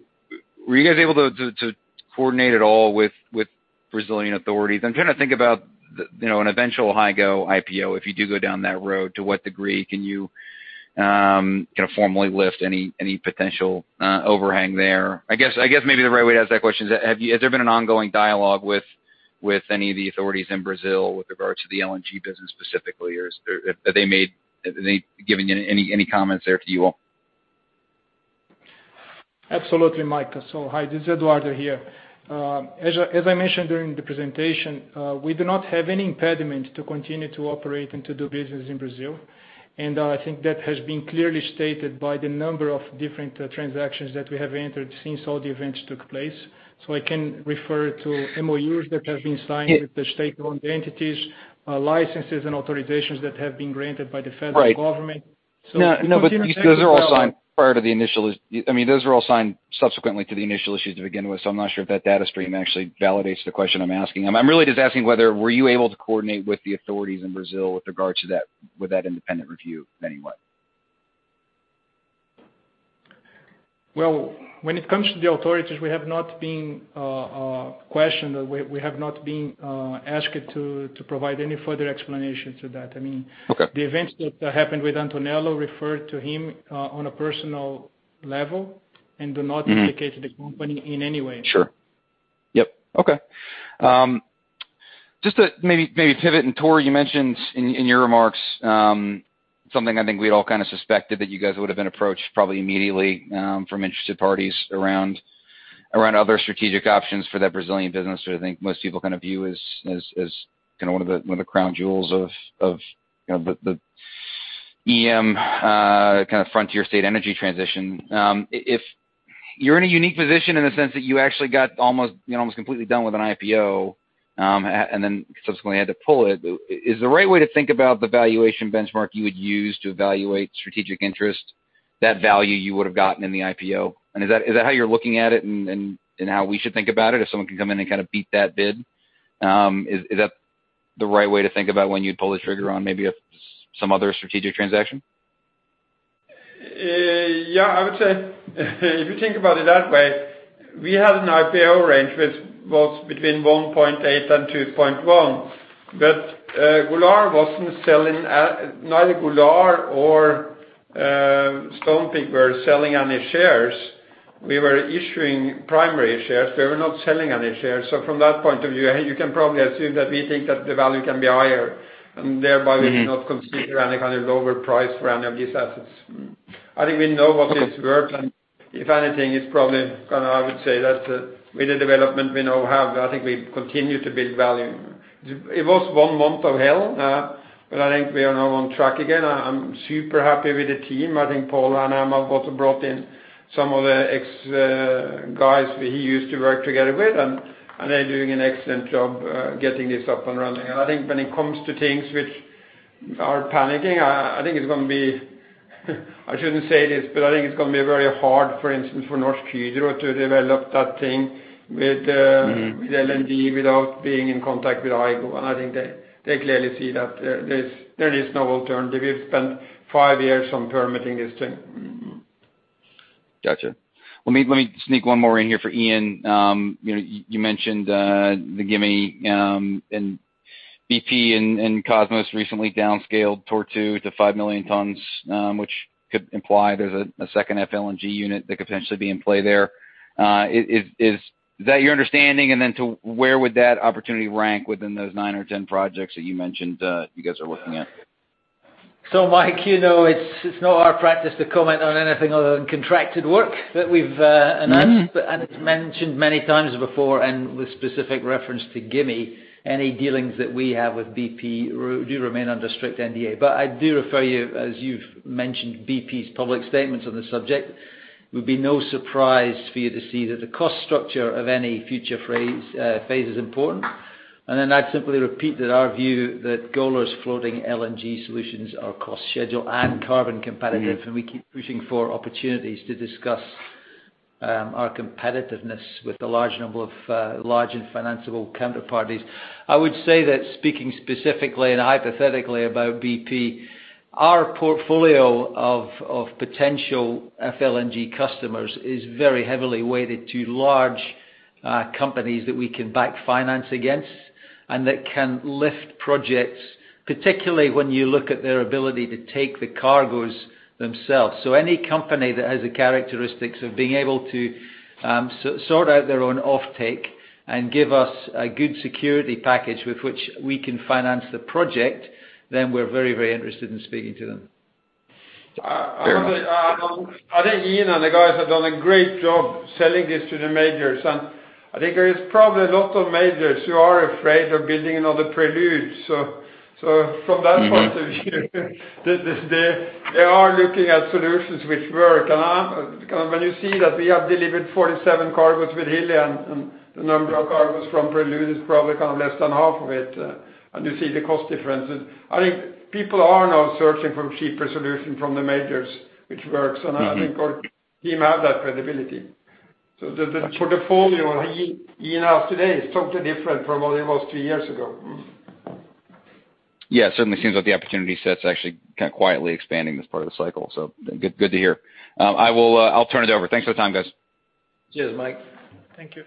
you guys able to coordinate at all with Brazilian authorities? I'm trying to think about an eventual Hygo IPO, if you do go down that road, to what degree can you formally lift any potential overhang there? I guess, maybe the right way to ask that question is, has there been an ongoing dialogue with any of the authorities in Brazil with regard to the LNG business specifically? Have they given any comments there to you all? Absolutely, Mike. Hi, this is Eduardo here. As I mentioned during the presentation, we do not have any impediment to continue to operate and to do business in Brazil. I think that has been clearly stated by the number of different transactions that we have entered since all the events took place. I can refer to MOUs that have been signed with the state-owned entities, licenses and authorizations that have been granted by the federal government. Right. No, those are all signed subsequently to the initial issues to begin with, so I'm not sure if that data stream actually validates the question I'm asking. I'm really just asking whether, were you able to coordinate with the authorities in Brazil with regard to that independent review in any way? Well, when it comes to the authorities, we have not been questioned. We have not been asked to provide any further explanation to that. Okay. The events that happened with Antonello referred to him on a personal level and do not implicate the company in any way. Sure. Yep. Okay. Just to maybe pivot. Tor, you mentioned in your remarks something I think we had all kind of suspected, that you guys would have been approached probably immediately from interested parties around other strategic options for that Brazilian business, who I think most people view as one of the crown jewels of the EM frontier state energy transition. You're in a unique position in the sense that you actually got almost completely done with an IPO, and then subsequently had to pull it. Is the right way to think about the valuation benchmark you would use to evaluate strategic interest, that value you would have gotten in the IPO? Is that how you're looking at it and how we should think about it, if someone can come in and kind of beat that bid? Is that the right way to think about when you'd pull the trigger on maybe some other strategic transaction? Yeah, I would say if you think about it that way, we had an IPO range which was between $1.8-$2.1. Golar wasn't selling. Neither Golar or Stonepeak were selling any shares. We were issuing primary shares. We were not selling any shares. From that point of view, you can probably assume that we think that the value can be higher, and thereby we do not consider any kind of lower price for any of these assets. I think we know what it's worth, and if anything, it's probably, I would say that with the development we now have, I think we continue to build value. It was one month of hell. I think we are now on track again. I'm super happy with the team. I think Paul Hanrahan has also brought in some of the ex guys who he used to work together with. They're doing an excellent job getting this up and running. I think when it comes to things which are panicking, I think it's going to be, I shouldn't say this, but I think it's going to be very hard, for instance, for Norsk Hydro to develop that thing with LNG without being in contact with Hygo. I think they clearly see that there is no alternative. We have spent five years on permitting this thing. Got you. Well, let me sneak one more in here for Iain. You mentioned the Gimi, and BP and Kosmos recently downscaled Tortue to five million tons, which could imply there's a second FLNG unit that could potentially be in play there. Is that your understanding? To where would that opportunity rank within those nine or 10 projects that you mentioned you guys are looking at? Mike, you know it's not our practice to comment on anything other than contracted work that we've announced. It's mentioned many times before and with specific reference to Gimi, any dealings that we have with BP do remain under strict NDA. I do refer you, as you've mentioned, BP's public statements on the subject. It would be no surprise for you to see that the cost structure of any future phase is important. I'd simply repeat that our view that Golar's floating LNG solutions are cost, schedule, and carbon competitive, and we keep pushing for opportunities to discuss our competitiveness with a large number of large and financiable counterparties. I would say that speaking specifically and hypothetically about BP, our portfolio of potential FLNG customers is very heavily weighted to large companies that we can back finance against and that can lift projects, particularly when you look at their ability to take the cargoes themselves. Any company that has the characteristics of being able to sort out their own offtake and give us a good security package with which we can finance the project, then we're very interested in speaking to them. I think Iain and the guys have done a great job selling this to the majors. I think there is probably a lot of majors who are afraid of building another Prelude. From that point of view, they are looking at solutions which work. When you see that we have delivered 47 cargoes with Hilli and the number of cargoes from Prelude is probably less than half of it, and you see the cost differences, I think people are now searching for cheaper solutions from the majors, which works. I think our team have that credibility. The portfolio Iain has today is totally different from what it was two years ago. Yeah, it certainly seems like the opportunity set's actually quietly expanding this part of the cycle, so good to hear. I'll turn it over. Thanks for the time, guys. Cheers, Mike. Thank you.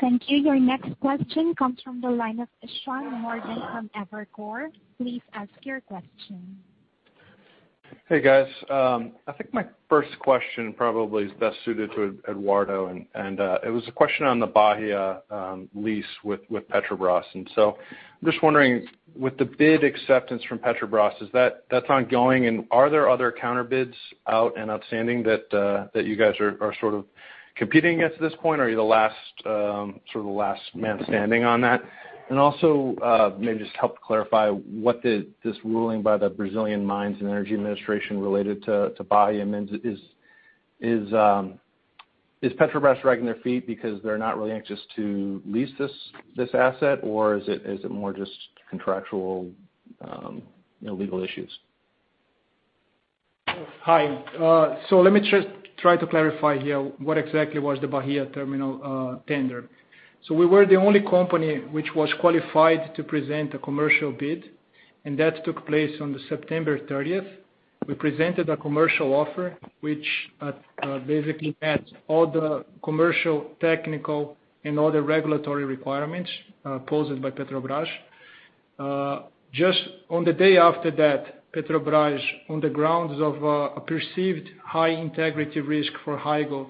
Thank you. Your next question comes from the line of Sean Morgan from Evercore. Please ask your question. Hey, guys. I think my first question probably is best suited to Eduardo. It was a question on the Bahia lease with Petrobras. I'm just wondering, with the bid acceptance from Petrobras, that's ongoing and are there other counter bids out and outstanding that you guys are sort of competing against at this point? Are you the last man standing on that? Also, maybe just help clarify what this ruling by the Brazilian Mines and Energy Administration related to Bahia means. Is Petrobras dragging their feet because they're not really anxious to lease this asset? Or is it more just contractual legal issues? Hi. Let me just try to clarify here what exactly was the Bahia terminal tender. We were the only company which was qualified to present a commercial bid, and that took place on the September 30th. We presented a commercial offer, which basically met all the commercial, technical, and other regulatory requirements posed by Petrobras. Just on the day after that, Petrobras, on the grounds of a perceived high integrity risk for Hygo,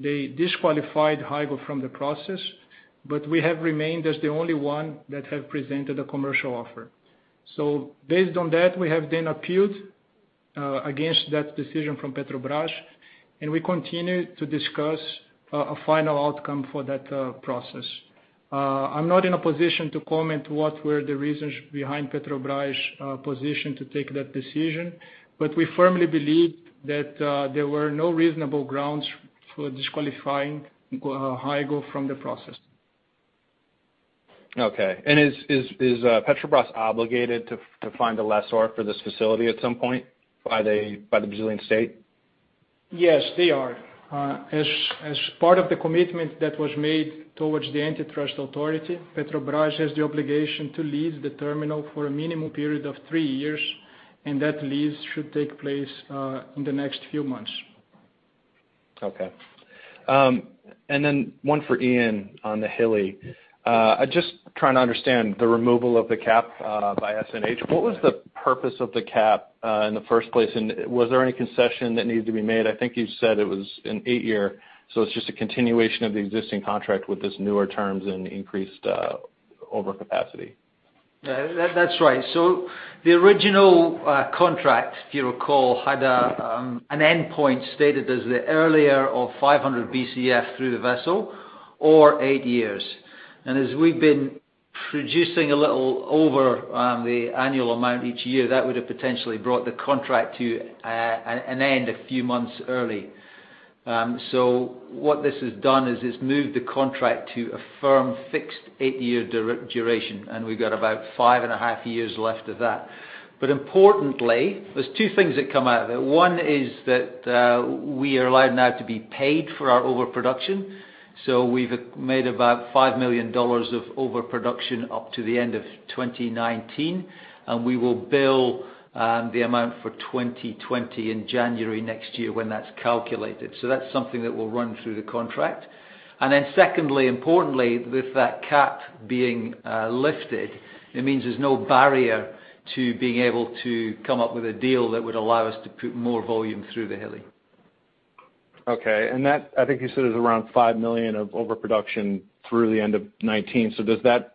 they disqualified Hygo from the process, but we have remained as the only one that have presented a commercial offer. Based on that, we have then appealed against that decision from Petrobras, and we continue to discuss a final outcome for that process. I'm not in a position to comment what were the reasons behind Petrobras' position to take that decision, but we firmly believe that there were no reasonable grounds for disqualifying Hygo from the process. Okay. Is Petrobras obligated to find a lessor for this facility at some point by the Brazilian state? Yes, they are. As part of the commitment that was made towards the antitrust authority, Petrobras has the obligation to lease the terminal for a minimum period of three years, and that lease should take place in the next few months. Okay. One for Iain on the Hilli. Just trying to understand the removal of the cap by SNH. What was the purpose of the cap in the first place, and was there any concession that needed to be made? I think you said it was an eight-year, it's just a continuation of the existing contract with this newer terms and increased overcapacity. That's right. The original contract, if you recall, had an endpoint stated as the earlier of 500 BCF through the vessel or eight years. As we've been producing a little over the annual amount each year, that would have potentially brought the contract to an end a few months early. What this has done is it's moved the contract to a firm fixed eight-year duration, and we've got about five and a half years left of that. Importantly, there's two things that come out of it. One is that we are allowed now to be paid for our overproduction. We've made about $5 million of overproduction up to the end of 2019, and we will bill the amount for 2020 in January next year when that's calculated. That's something that will run through the contract. Secondly, importantly, with that cap being lifted, it means there's no barrier to being able to come up with a deal that would allow us to put more volume through the Hilli. Okay. That, I think you said, is around $5 million of overproduction through the end of 2019. Does that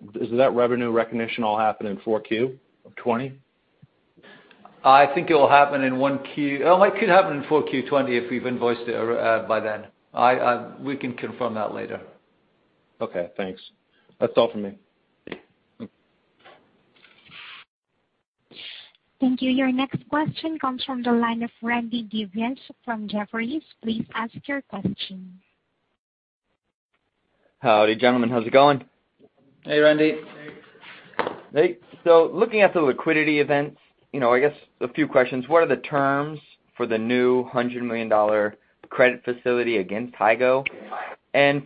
revenue recognition all happen in 4Q of 2020? I think it will happen in 1Q. It could happen in 4Q 2020 if we've invoiced it by then. We can confirm that later. Okay, thanks. That's all for me. Thank you. Your next question comes from the line of Randy Giveans from Jefferies. Please ask your question. How are you, gentlemen. How's it going? Hey, Randy. Hey. Hey. Looking at the liquidity events, I guess a few questions. What are the terms for the new $100 million credit facility against Hygo?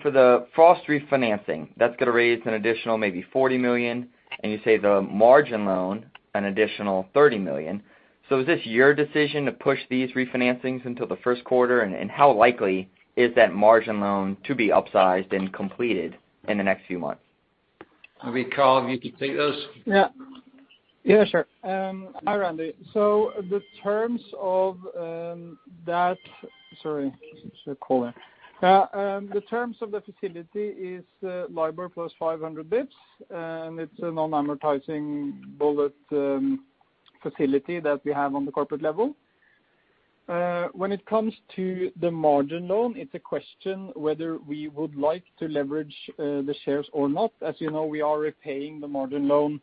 For the Frost refinancing, that's going to raise an additional maybe $40 million, and you say the margin loan, an additional $30 million. Is this your decision to push these refinancings until the first quarter? How likely is that margin loan to be upsized and completed in the next few months? Karl, you can take those. Yeah. Sure. Hi, Randy. The terms of that-- Sorry, someone's calling. The terms of the facility is LIBOR plus 500 basis points, and it's a non-amortizing bullet facility that we have on the corporate level. When it comes to the margin loan, it's a question whether we would like to leverage the shares or not. As you know, we are repaying the margin loan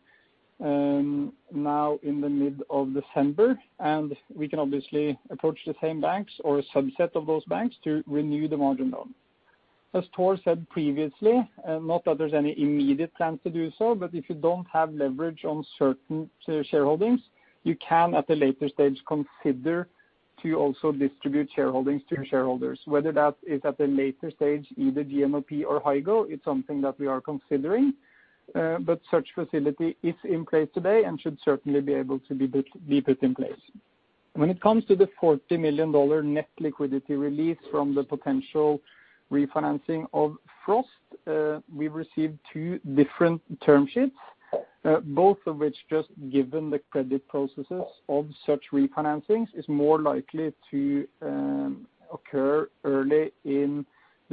now in the middle of December, and we can obviously approach the same banks or a subset of those banks to renew the margin loan. As Tor said previously, not that there's any immediate plan to do so, but if you don't have leverage on certain shareholdings, you can, at a later stage, consider to also distribute shareholdings to your shareholders. Whether that is at a later stage, either GMLP or Hygo, it's something that we are considering. Such facility is in place today and should certainly be able to be put in place. When it comes to the $40 million net liquidity release from the potential refinancing of Frost, we received two different term sheets, both of which, just given the credit processes of such refinancings, is more likely to occur early in the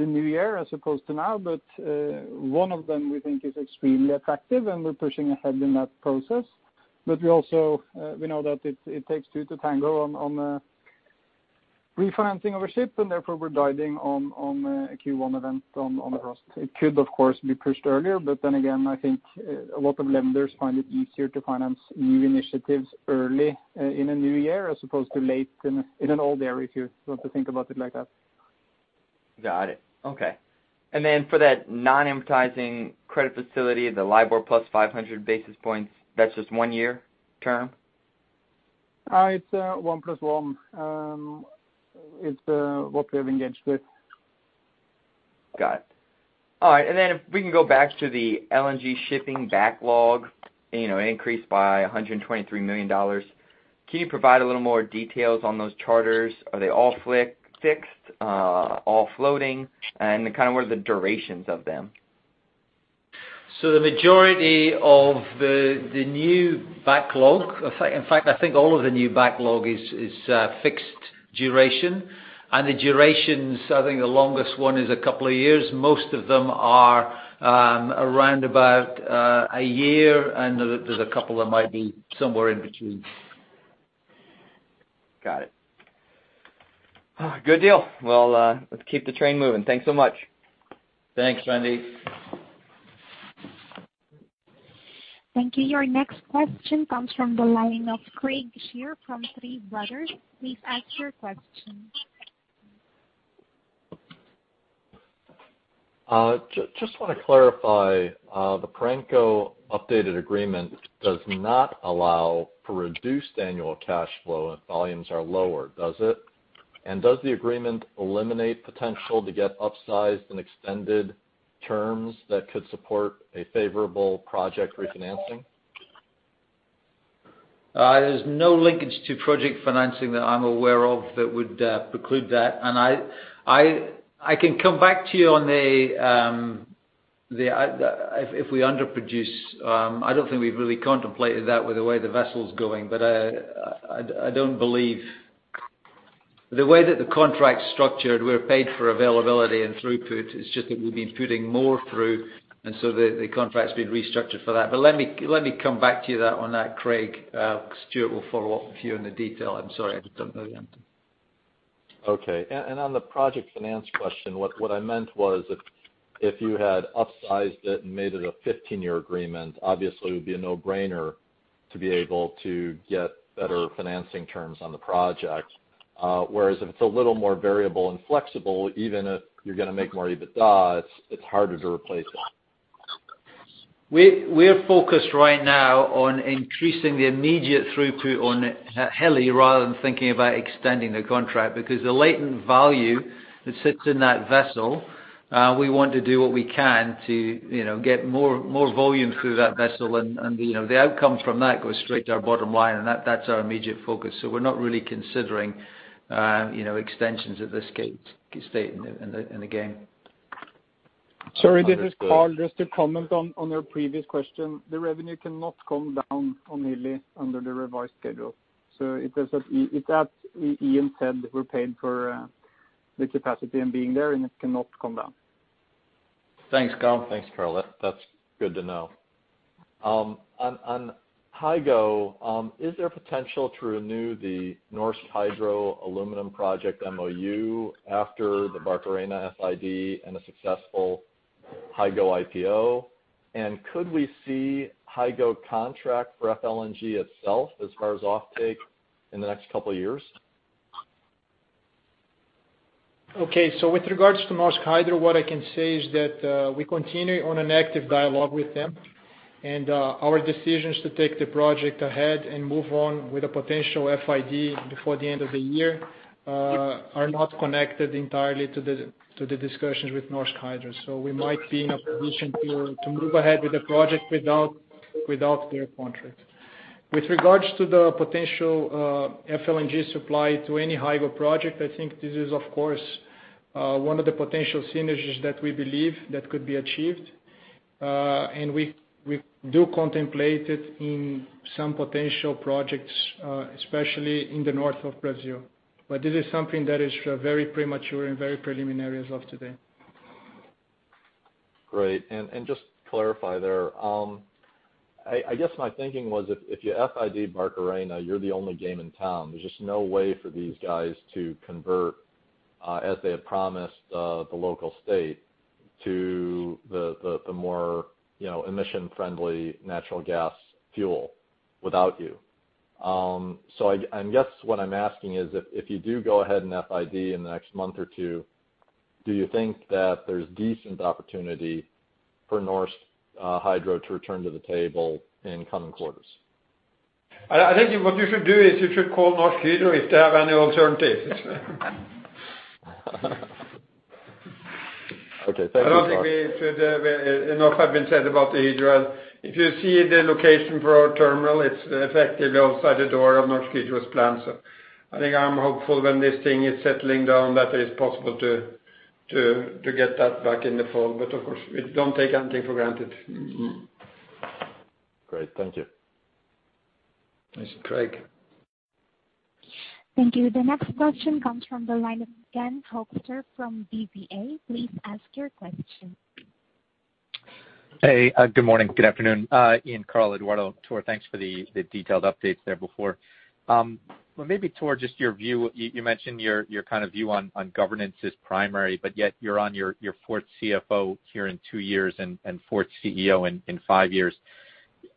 new year as opposed to now. One of them we think is extremely attractive, and we are pushing ahead in that process. We know that it takes two to tango on refinancing of a ship, and therefore we are guiding on a Q1 event on Frost. It could, of course, be pushed earlier, but then again, I think a lot of lenders find it easier to finance new initiatives early in a new year as opposed to late in an old year, if you want to think about it like that. Got it. Okay. For that non-amortizing credit facility, the LIBOR plus 500 basis points, that's just one-year term? It's one plus one, is what we have engaged with. Got it. All right, then if we can go back to the LNG shipping backlog, it increased by $123 million. Can you provide a little more details on those charters? Are they all fixed, all floating? What are the durations of them? The majority of the new backlog, in fact, I think all of the new backlog is fixed duration. The durations, I think the longest one is a couple of years. Most of them are around about a year, and there's a couple that might be somewhere in between. Got it. Good deal. Let's keep the train moving. Thanks so much. Thanks, Randy. Thank you. Your next question comes from the line of Craig Shere from Tuohy Brothers. Please ask your question. Just want to clarify, the Perenco updated agreement does not allow for reduced annual cash flow if volumes are lower, does it? Does the agreement eliminate potential to get upsized and extended terms that could support a favorable project refinancing? There's no linkage to project financing that I'm aware of that would preclude that. I can come back to you on if we underproduce. I don't think we've really contemplated that with the way the vessel's going. I don't believe the way that the contract's structured, we're paid for availability and throughput. It's just that we've been putting more through, the contract's been restructured for that. Let me come back to you on that, Craig. Stuart will follow up with you on the detail. I'm sorry, I just don't know the answer. Okay. On the project finance question, what I meant was if you had upsized it and made it a 15-year agreement, obviously it would be a no-brainer to be able to get better financing terms on the project. Whereas if it's a little more variable and flexible, even if you're going to make more EBITDA, it's harder to replace it. We're focused right now on increasing the immediate throughput on Hilli rather than thinking about extending the contract, because the latent value that sits in that vessel, we want to do what we can to get more volume through that vessel, and the outcome from that goes straight to our bottom line, and that's our immediate focus. We're not really considering extensions at this state in the game. Sorry, this is Karl. Just to comment on your previous question, the revenue cannot come down on Hilli under the revised schedule. As Iain said, we're paid for the capacity and being there, and it cannot come down. Thanks, Karl. That's good to know. On Hygo, is there potential to renew the Norsk Hydro aluminum project MoU after the Barcarena FID and a successful Hygo IPO? Could we see Hygo contract for FLNG itself as far as offtake in the next couple of years? Okay. With regards to Norsk Hydro, what I can say is that we continue on an active dialogue with them, and our decisions to take the project ahead and move on with a potential FID before the end of the year are not connected entirely to the discussions with Norsk Hydro. We might be in a position to move ahead with the project without their contract. With regards to the potential FLNG supply to any Hygo project, I think this is, of course, one of the potential synergies that we believe that could be achieved. We do contemplate it in some potential projects, especially in the north of Brazil. This is something that is very premature and very preliminary as of today. Great. Just to clarify there, I guess my thinking was if you FID Barcarena, you're the only game in town. There's just no way for these guys to convert, as they had promised the local state, to the more emission-friendly natural gas fuel without you. I guess what I'm asking is, if you do go ahead and FID in the next month or two, do you think that there's decent opportunity for Norsk Hydro to return to the table in coming quarters? I think what you should do is you should call Norsk Hydro if they have any alternatives. Okay. Thank you so much. I don't think enough has been said about the Norsk Hydro. If you see the location for our terminal, it's effectively outside the door of Norsk Hydro's plant. I think I'm hopeful when this thing is settling down that it is possible to get that back in the fall. Of course, we don't take anything for granted. Great. Thank you. Thanks. Craig. Thank you. The next question comes from the line of Ken Hoexter from Bank of America. Please ask your question. Hey, good morning. Good afternoon. Iain, Karl, Eduardo, Tor, thanks for the detailed updates there before. Maybe, Tor, just your view. You mentioned your view on governance is primary, yet you're on your fourth CFO here in two years and fourth CEO in five years.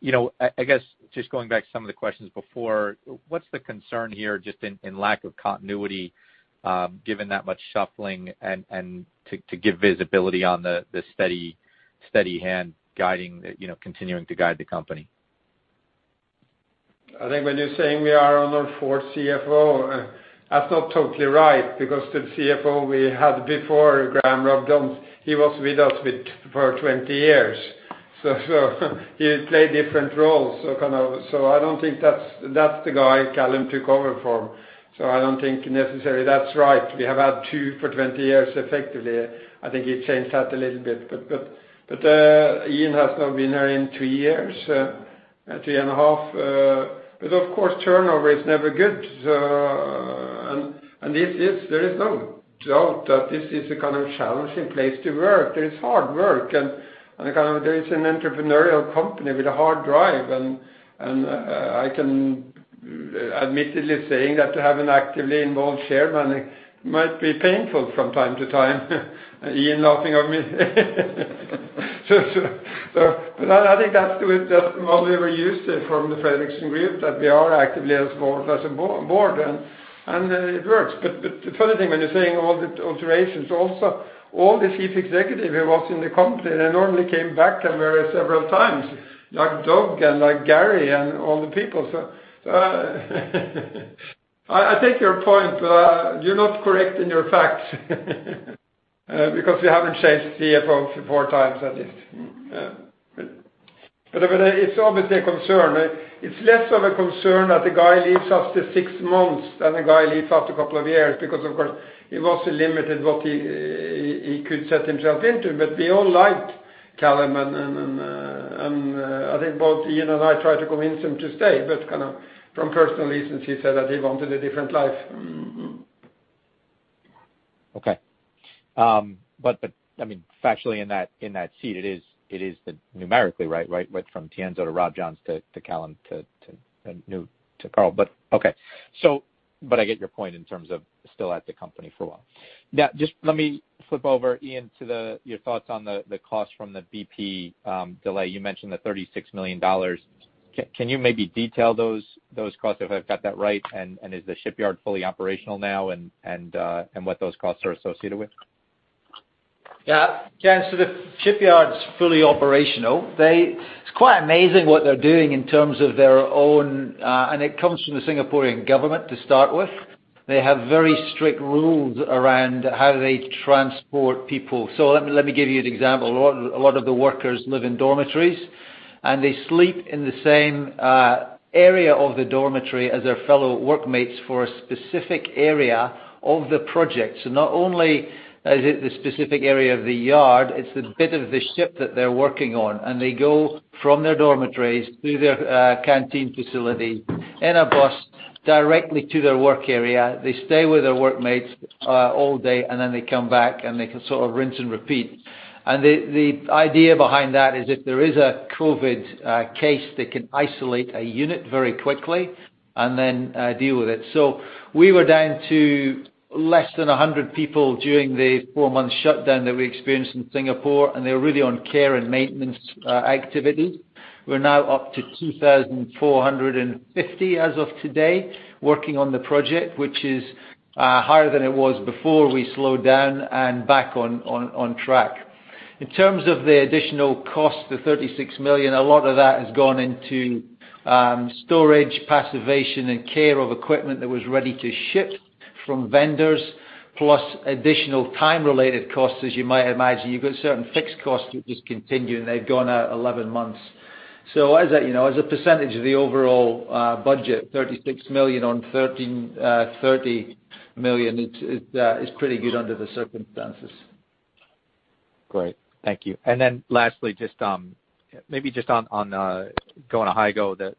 I guess just going back to some of the questions before, what's the concern here just in lack of continuity, given that much shuffling and to give visibility on the steady hand continuing to guide the company? I think when you're saying we are on our fourth CFO, that's not totally right because the CFO we had before, Graham Robjohns, he was with us for 20 years. He played different roles. I don't think that's the guy Callum took over for. I don't think necessarily that's right. We have had two for 20 years, effectively. I think it changed that a little bit. Iain has now been here in three years, three and a half. Of course, turnover is never good. There is no doubt that this is a challenging place to work. There is hard work, and there is an entrepreneurial company with a hard drive, and I can admittedly say that to have an actively involved chairman might be painful from time to time. Iain laughing at me. I think that's the model we used from the Fredriksen Group, that we are actively involved as a board, and it works. The funny thing when you're saying all the alterations, also, all the chief executive who was in the company, they normally came back several times, like Doug and like Gary and all the people. I take your point, but you're not correct in your facts, because we haven't changed CFO four times at least. It's obviously a concern. It's less of a concern that the guy leaves after six months than a guy leaves after a couple of years because, of course, he was limited what he could set himself into. We all liked Callum, and I think both Iain and I tried to convince him to stay, but from personal reasons, he said that he wanted a different life. Okay. Factually in that seat, it is numerically right. Went from Tienzo to Robjohns to Callum to Karl. Okay. I get your point in terms of still at the company for a while. Just let me flip over, Iain, to your thoughts on the cost from the BP delay. You mentioned the $36 million. Can you maybe detail those costs if I've got that right? Is the shipyard fully operational now and what those costs are associated with? Ken, the shipyard's fully operational. It's quite amazing what they're doing. It comes from the Singaporean government to start with. They have very strict rules around how they transport people. Let me give you an example. A lot of the workers live in dormitories, and they sleep in the same area of the dormitory as their fellow workmates for a specific area of the project. Not only is it the specific area of the yard, it's the bit of the ship that they're working on. They go from their dormitories to their canteen facility in a bus directly to their work area. They stay with their workmates all day, they come back, and they can sort of rinse and repeat. The idea behind that is if there is a COVID case, they can isolate a unit very quickly and then deal with it. We were down to less than 100 people during the four-month shutdown that we experienced in Singapore, and they were really on care and maintenance activities. We're now up to 2,450 as of today, working on the project, which is higher than it was before we slowed down and back on track. In terms of the additional cost, the $36 million, a lot of that has gone into storage, passivation, and care of equipment that was ready to ship from vendors, plus additional time-related costs, as you might imagine. You've got certain fixed costs that just continue, and they've gone out 11 months. As a percentage of the overall budget, $36 million on $30 million, it's pretty good under the circumstances. Great. Thank you. Lastly, maybe just on going to Hygo, the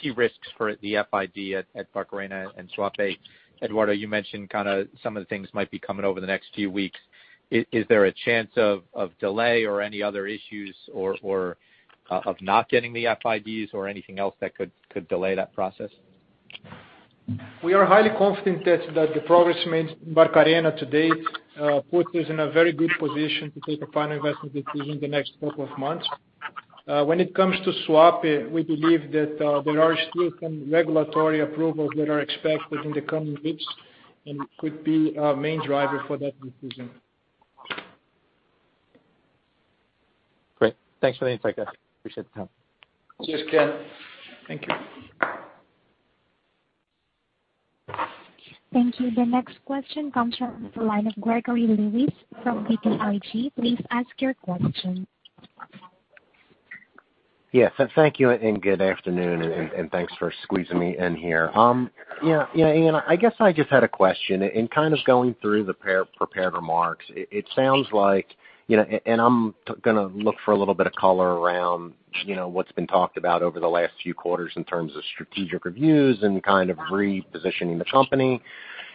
key risks for the FID at Barcarena and Suape. Eduardo, you mentioned some of the things might be coming over the next few weeks. Is there a chance of delay or any other issues, or of not getting the FIDs or anything else that could delay that process? We are highly confident that the progress made in Barcarena to date puts us in a very good position to take a final investment decision in the next couple of months. When it comes to Suape, we believe that there are still some regulatory approvals that are expected in the coming weeks and could be a main driver for that decision. Great. Thanks for the insight, guys. Appreciate the time. Cheers, Ken. Thank you. Thank you. The next question comes from the line of Gregory Lewis from BTIG. Please ask your question. Yes, thank you, good afternoon, and thanks for squeezing me in here. Yeah, Iain, I guess I just had a question, in going through the prepared remarks. I'm gonna look for a little bit of color around what's been talked about over the last few quarters in terms of strategic reviews and kind of repositioning the company.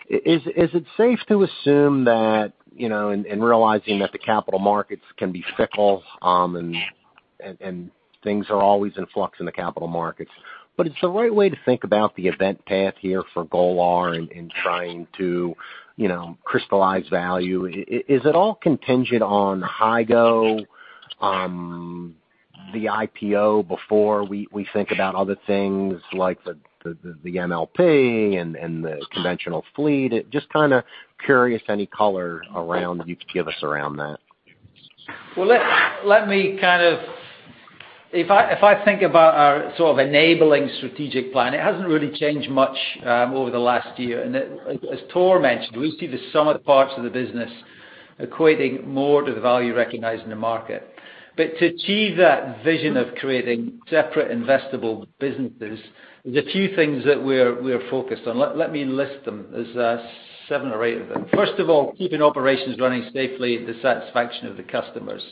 Is it safe to assume that, and realizing that the capital markets can be fickle, and things are always in flux in the capital markets, but is the right way to think about the event path here for Golar in trying to crystallize value, is it all contingent on Hygo, the IPO, before we think about other things like the MLP and the conventional fleet? Just kind of curious any color you could give us around that. Well, if I think about our enabling strategic plan, it hasn't really changed much over the last year. As Tor mentioned, we see the sum of the parts of the business equating more to the value recognized in the market. But to achieve that vision of creating separate investable businesses, there's a few things that we're focused on. Let me list them. There's seven or eight of them. First of all, keeping operations running safely to the satisfaction of the customers.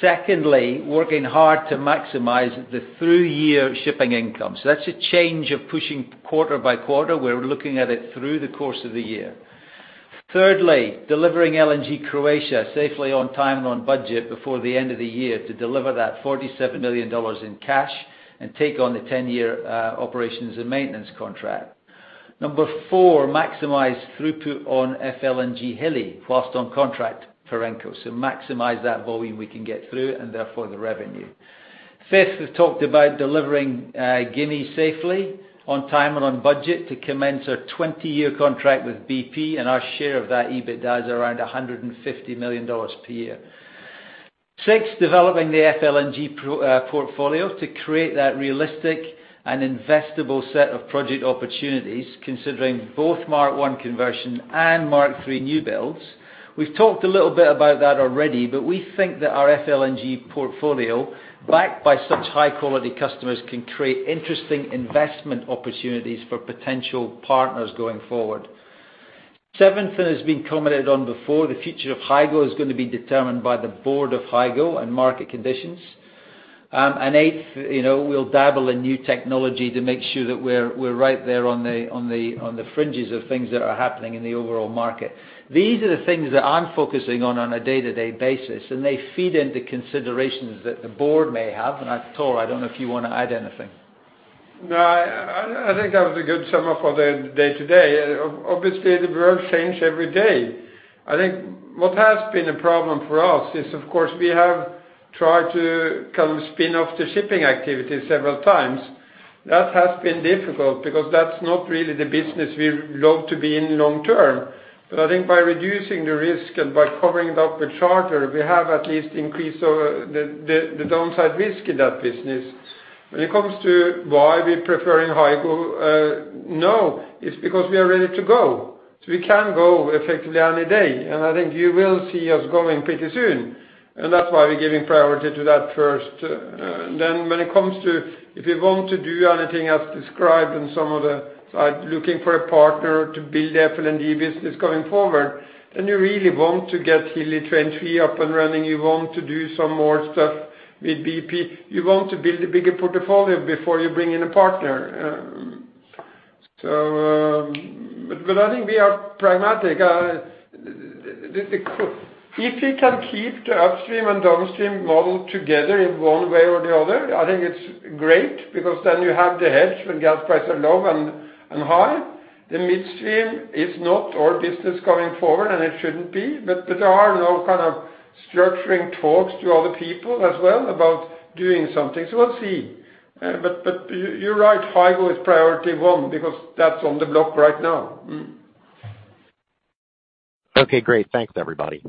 Secondly, working hard to maximize the through-year shipping income. That's a change of pushing quarter by quarter. We're looking at it through the course of the year. Thirdly, delivering LNG Croatia safely on time and on budget before the end of the year to deliver that $47 million in cash and take on the 10-year operations and maintenance contract. Number four, maximize throughput on FLNG Hilli whilst on contract for Perenco. Maximize that volume we can get through and therefore the revenue. Fifth, we've talked about delivering Gimi safely on time and on budget to commence our 20-year contract with BP, and our share of that EBITDA is around $150 million per year. Six, developing the FLNG portfolio to create that realistic and investable set of project opportunities considering both Mark I conversion and Mark III new builds. We've talked a little bit about that already, we think that our FLNG portfolio, backed by such high-quality customers, can create interesting investment opportunities for potential partners going forward. Seventh, it's been commented on before, the future of Hygo is going to be determined by the board of Hygo and market conditions. Eighth, we'll dabble in new technology to make sure that we're right there on the fringes of things that are happening in the overall market. These are the things that I'm focusing on on a day-to-day basis, and they feed into considerations that the board may have. Tor, I don't know if you want to add anything. No, I think that was a good summary for the day to day. Obviously, the world change every day. I think what has been a problem for us is, of course, we have tried to spin off the shipping activity several times. That has been difficult because that's not really the business we love to be in long term. I think by reducing the risk and by covering it up with charter, we have at least increased the downside risk in that business. When it comes to why we preferring Hygo, no, it's because we are ready to go. We can go effectively any day, and I think you will see us going pretty soon. That's why we're giving priority to that first. When it comes to if we want to do anything as described in some of the slides, looking for a partner to build the FLNG business going forward, you really want to get Hilli Train 3 up and running. You want to do some more stuff with BP. You want to build a bigger portfolio before you bring in a partner. I think we are pragmatic. If we can keep the upstream and downstream model together in one way or the other, I think it's great because then you have the hedge when gas prices are low and high. The midstream is not our business going forward, and it shouldn't be. There are now kind of structuring talks to other people as well about doing something. We'll see. You're right, Hygo is priority one because that's on the block right now. Okay, great. Thanks, everybody.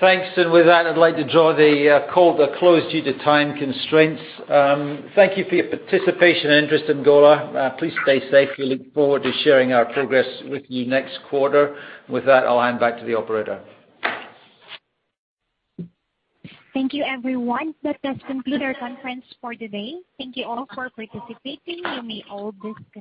Thanks. With that, I'd like to draw the call to a close due to time constraints. Thank you for your participation and interest in Golar. Please stay safe. We look forward to sharing our progress with you next quarter. With that, I'll hand back to the operator. Thank you, everyone. That does conclude our conference for today. Thank you all for participating. You may all disconnect.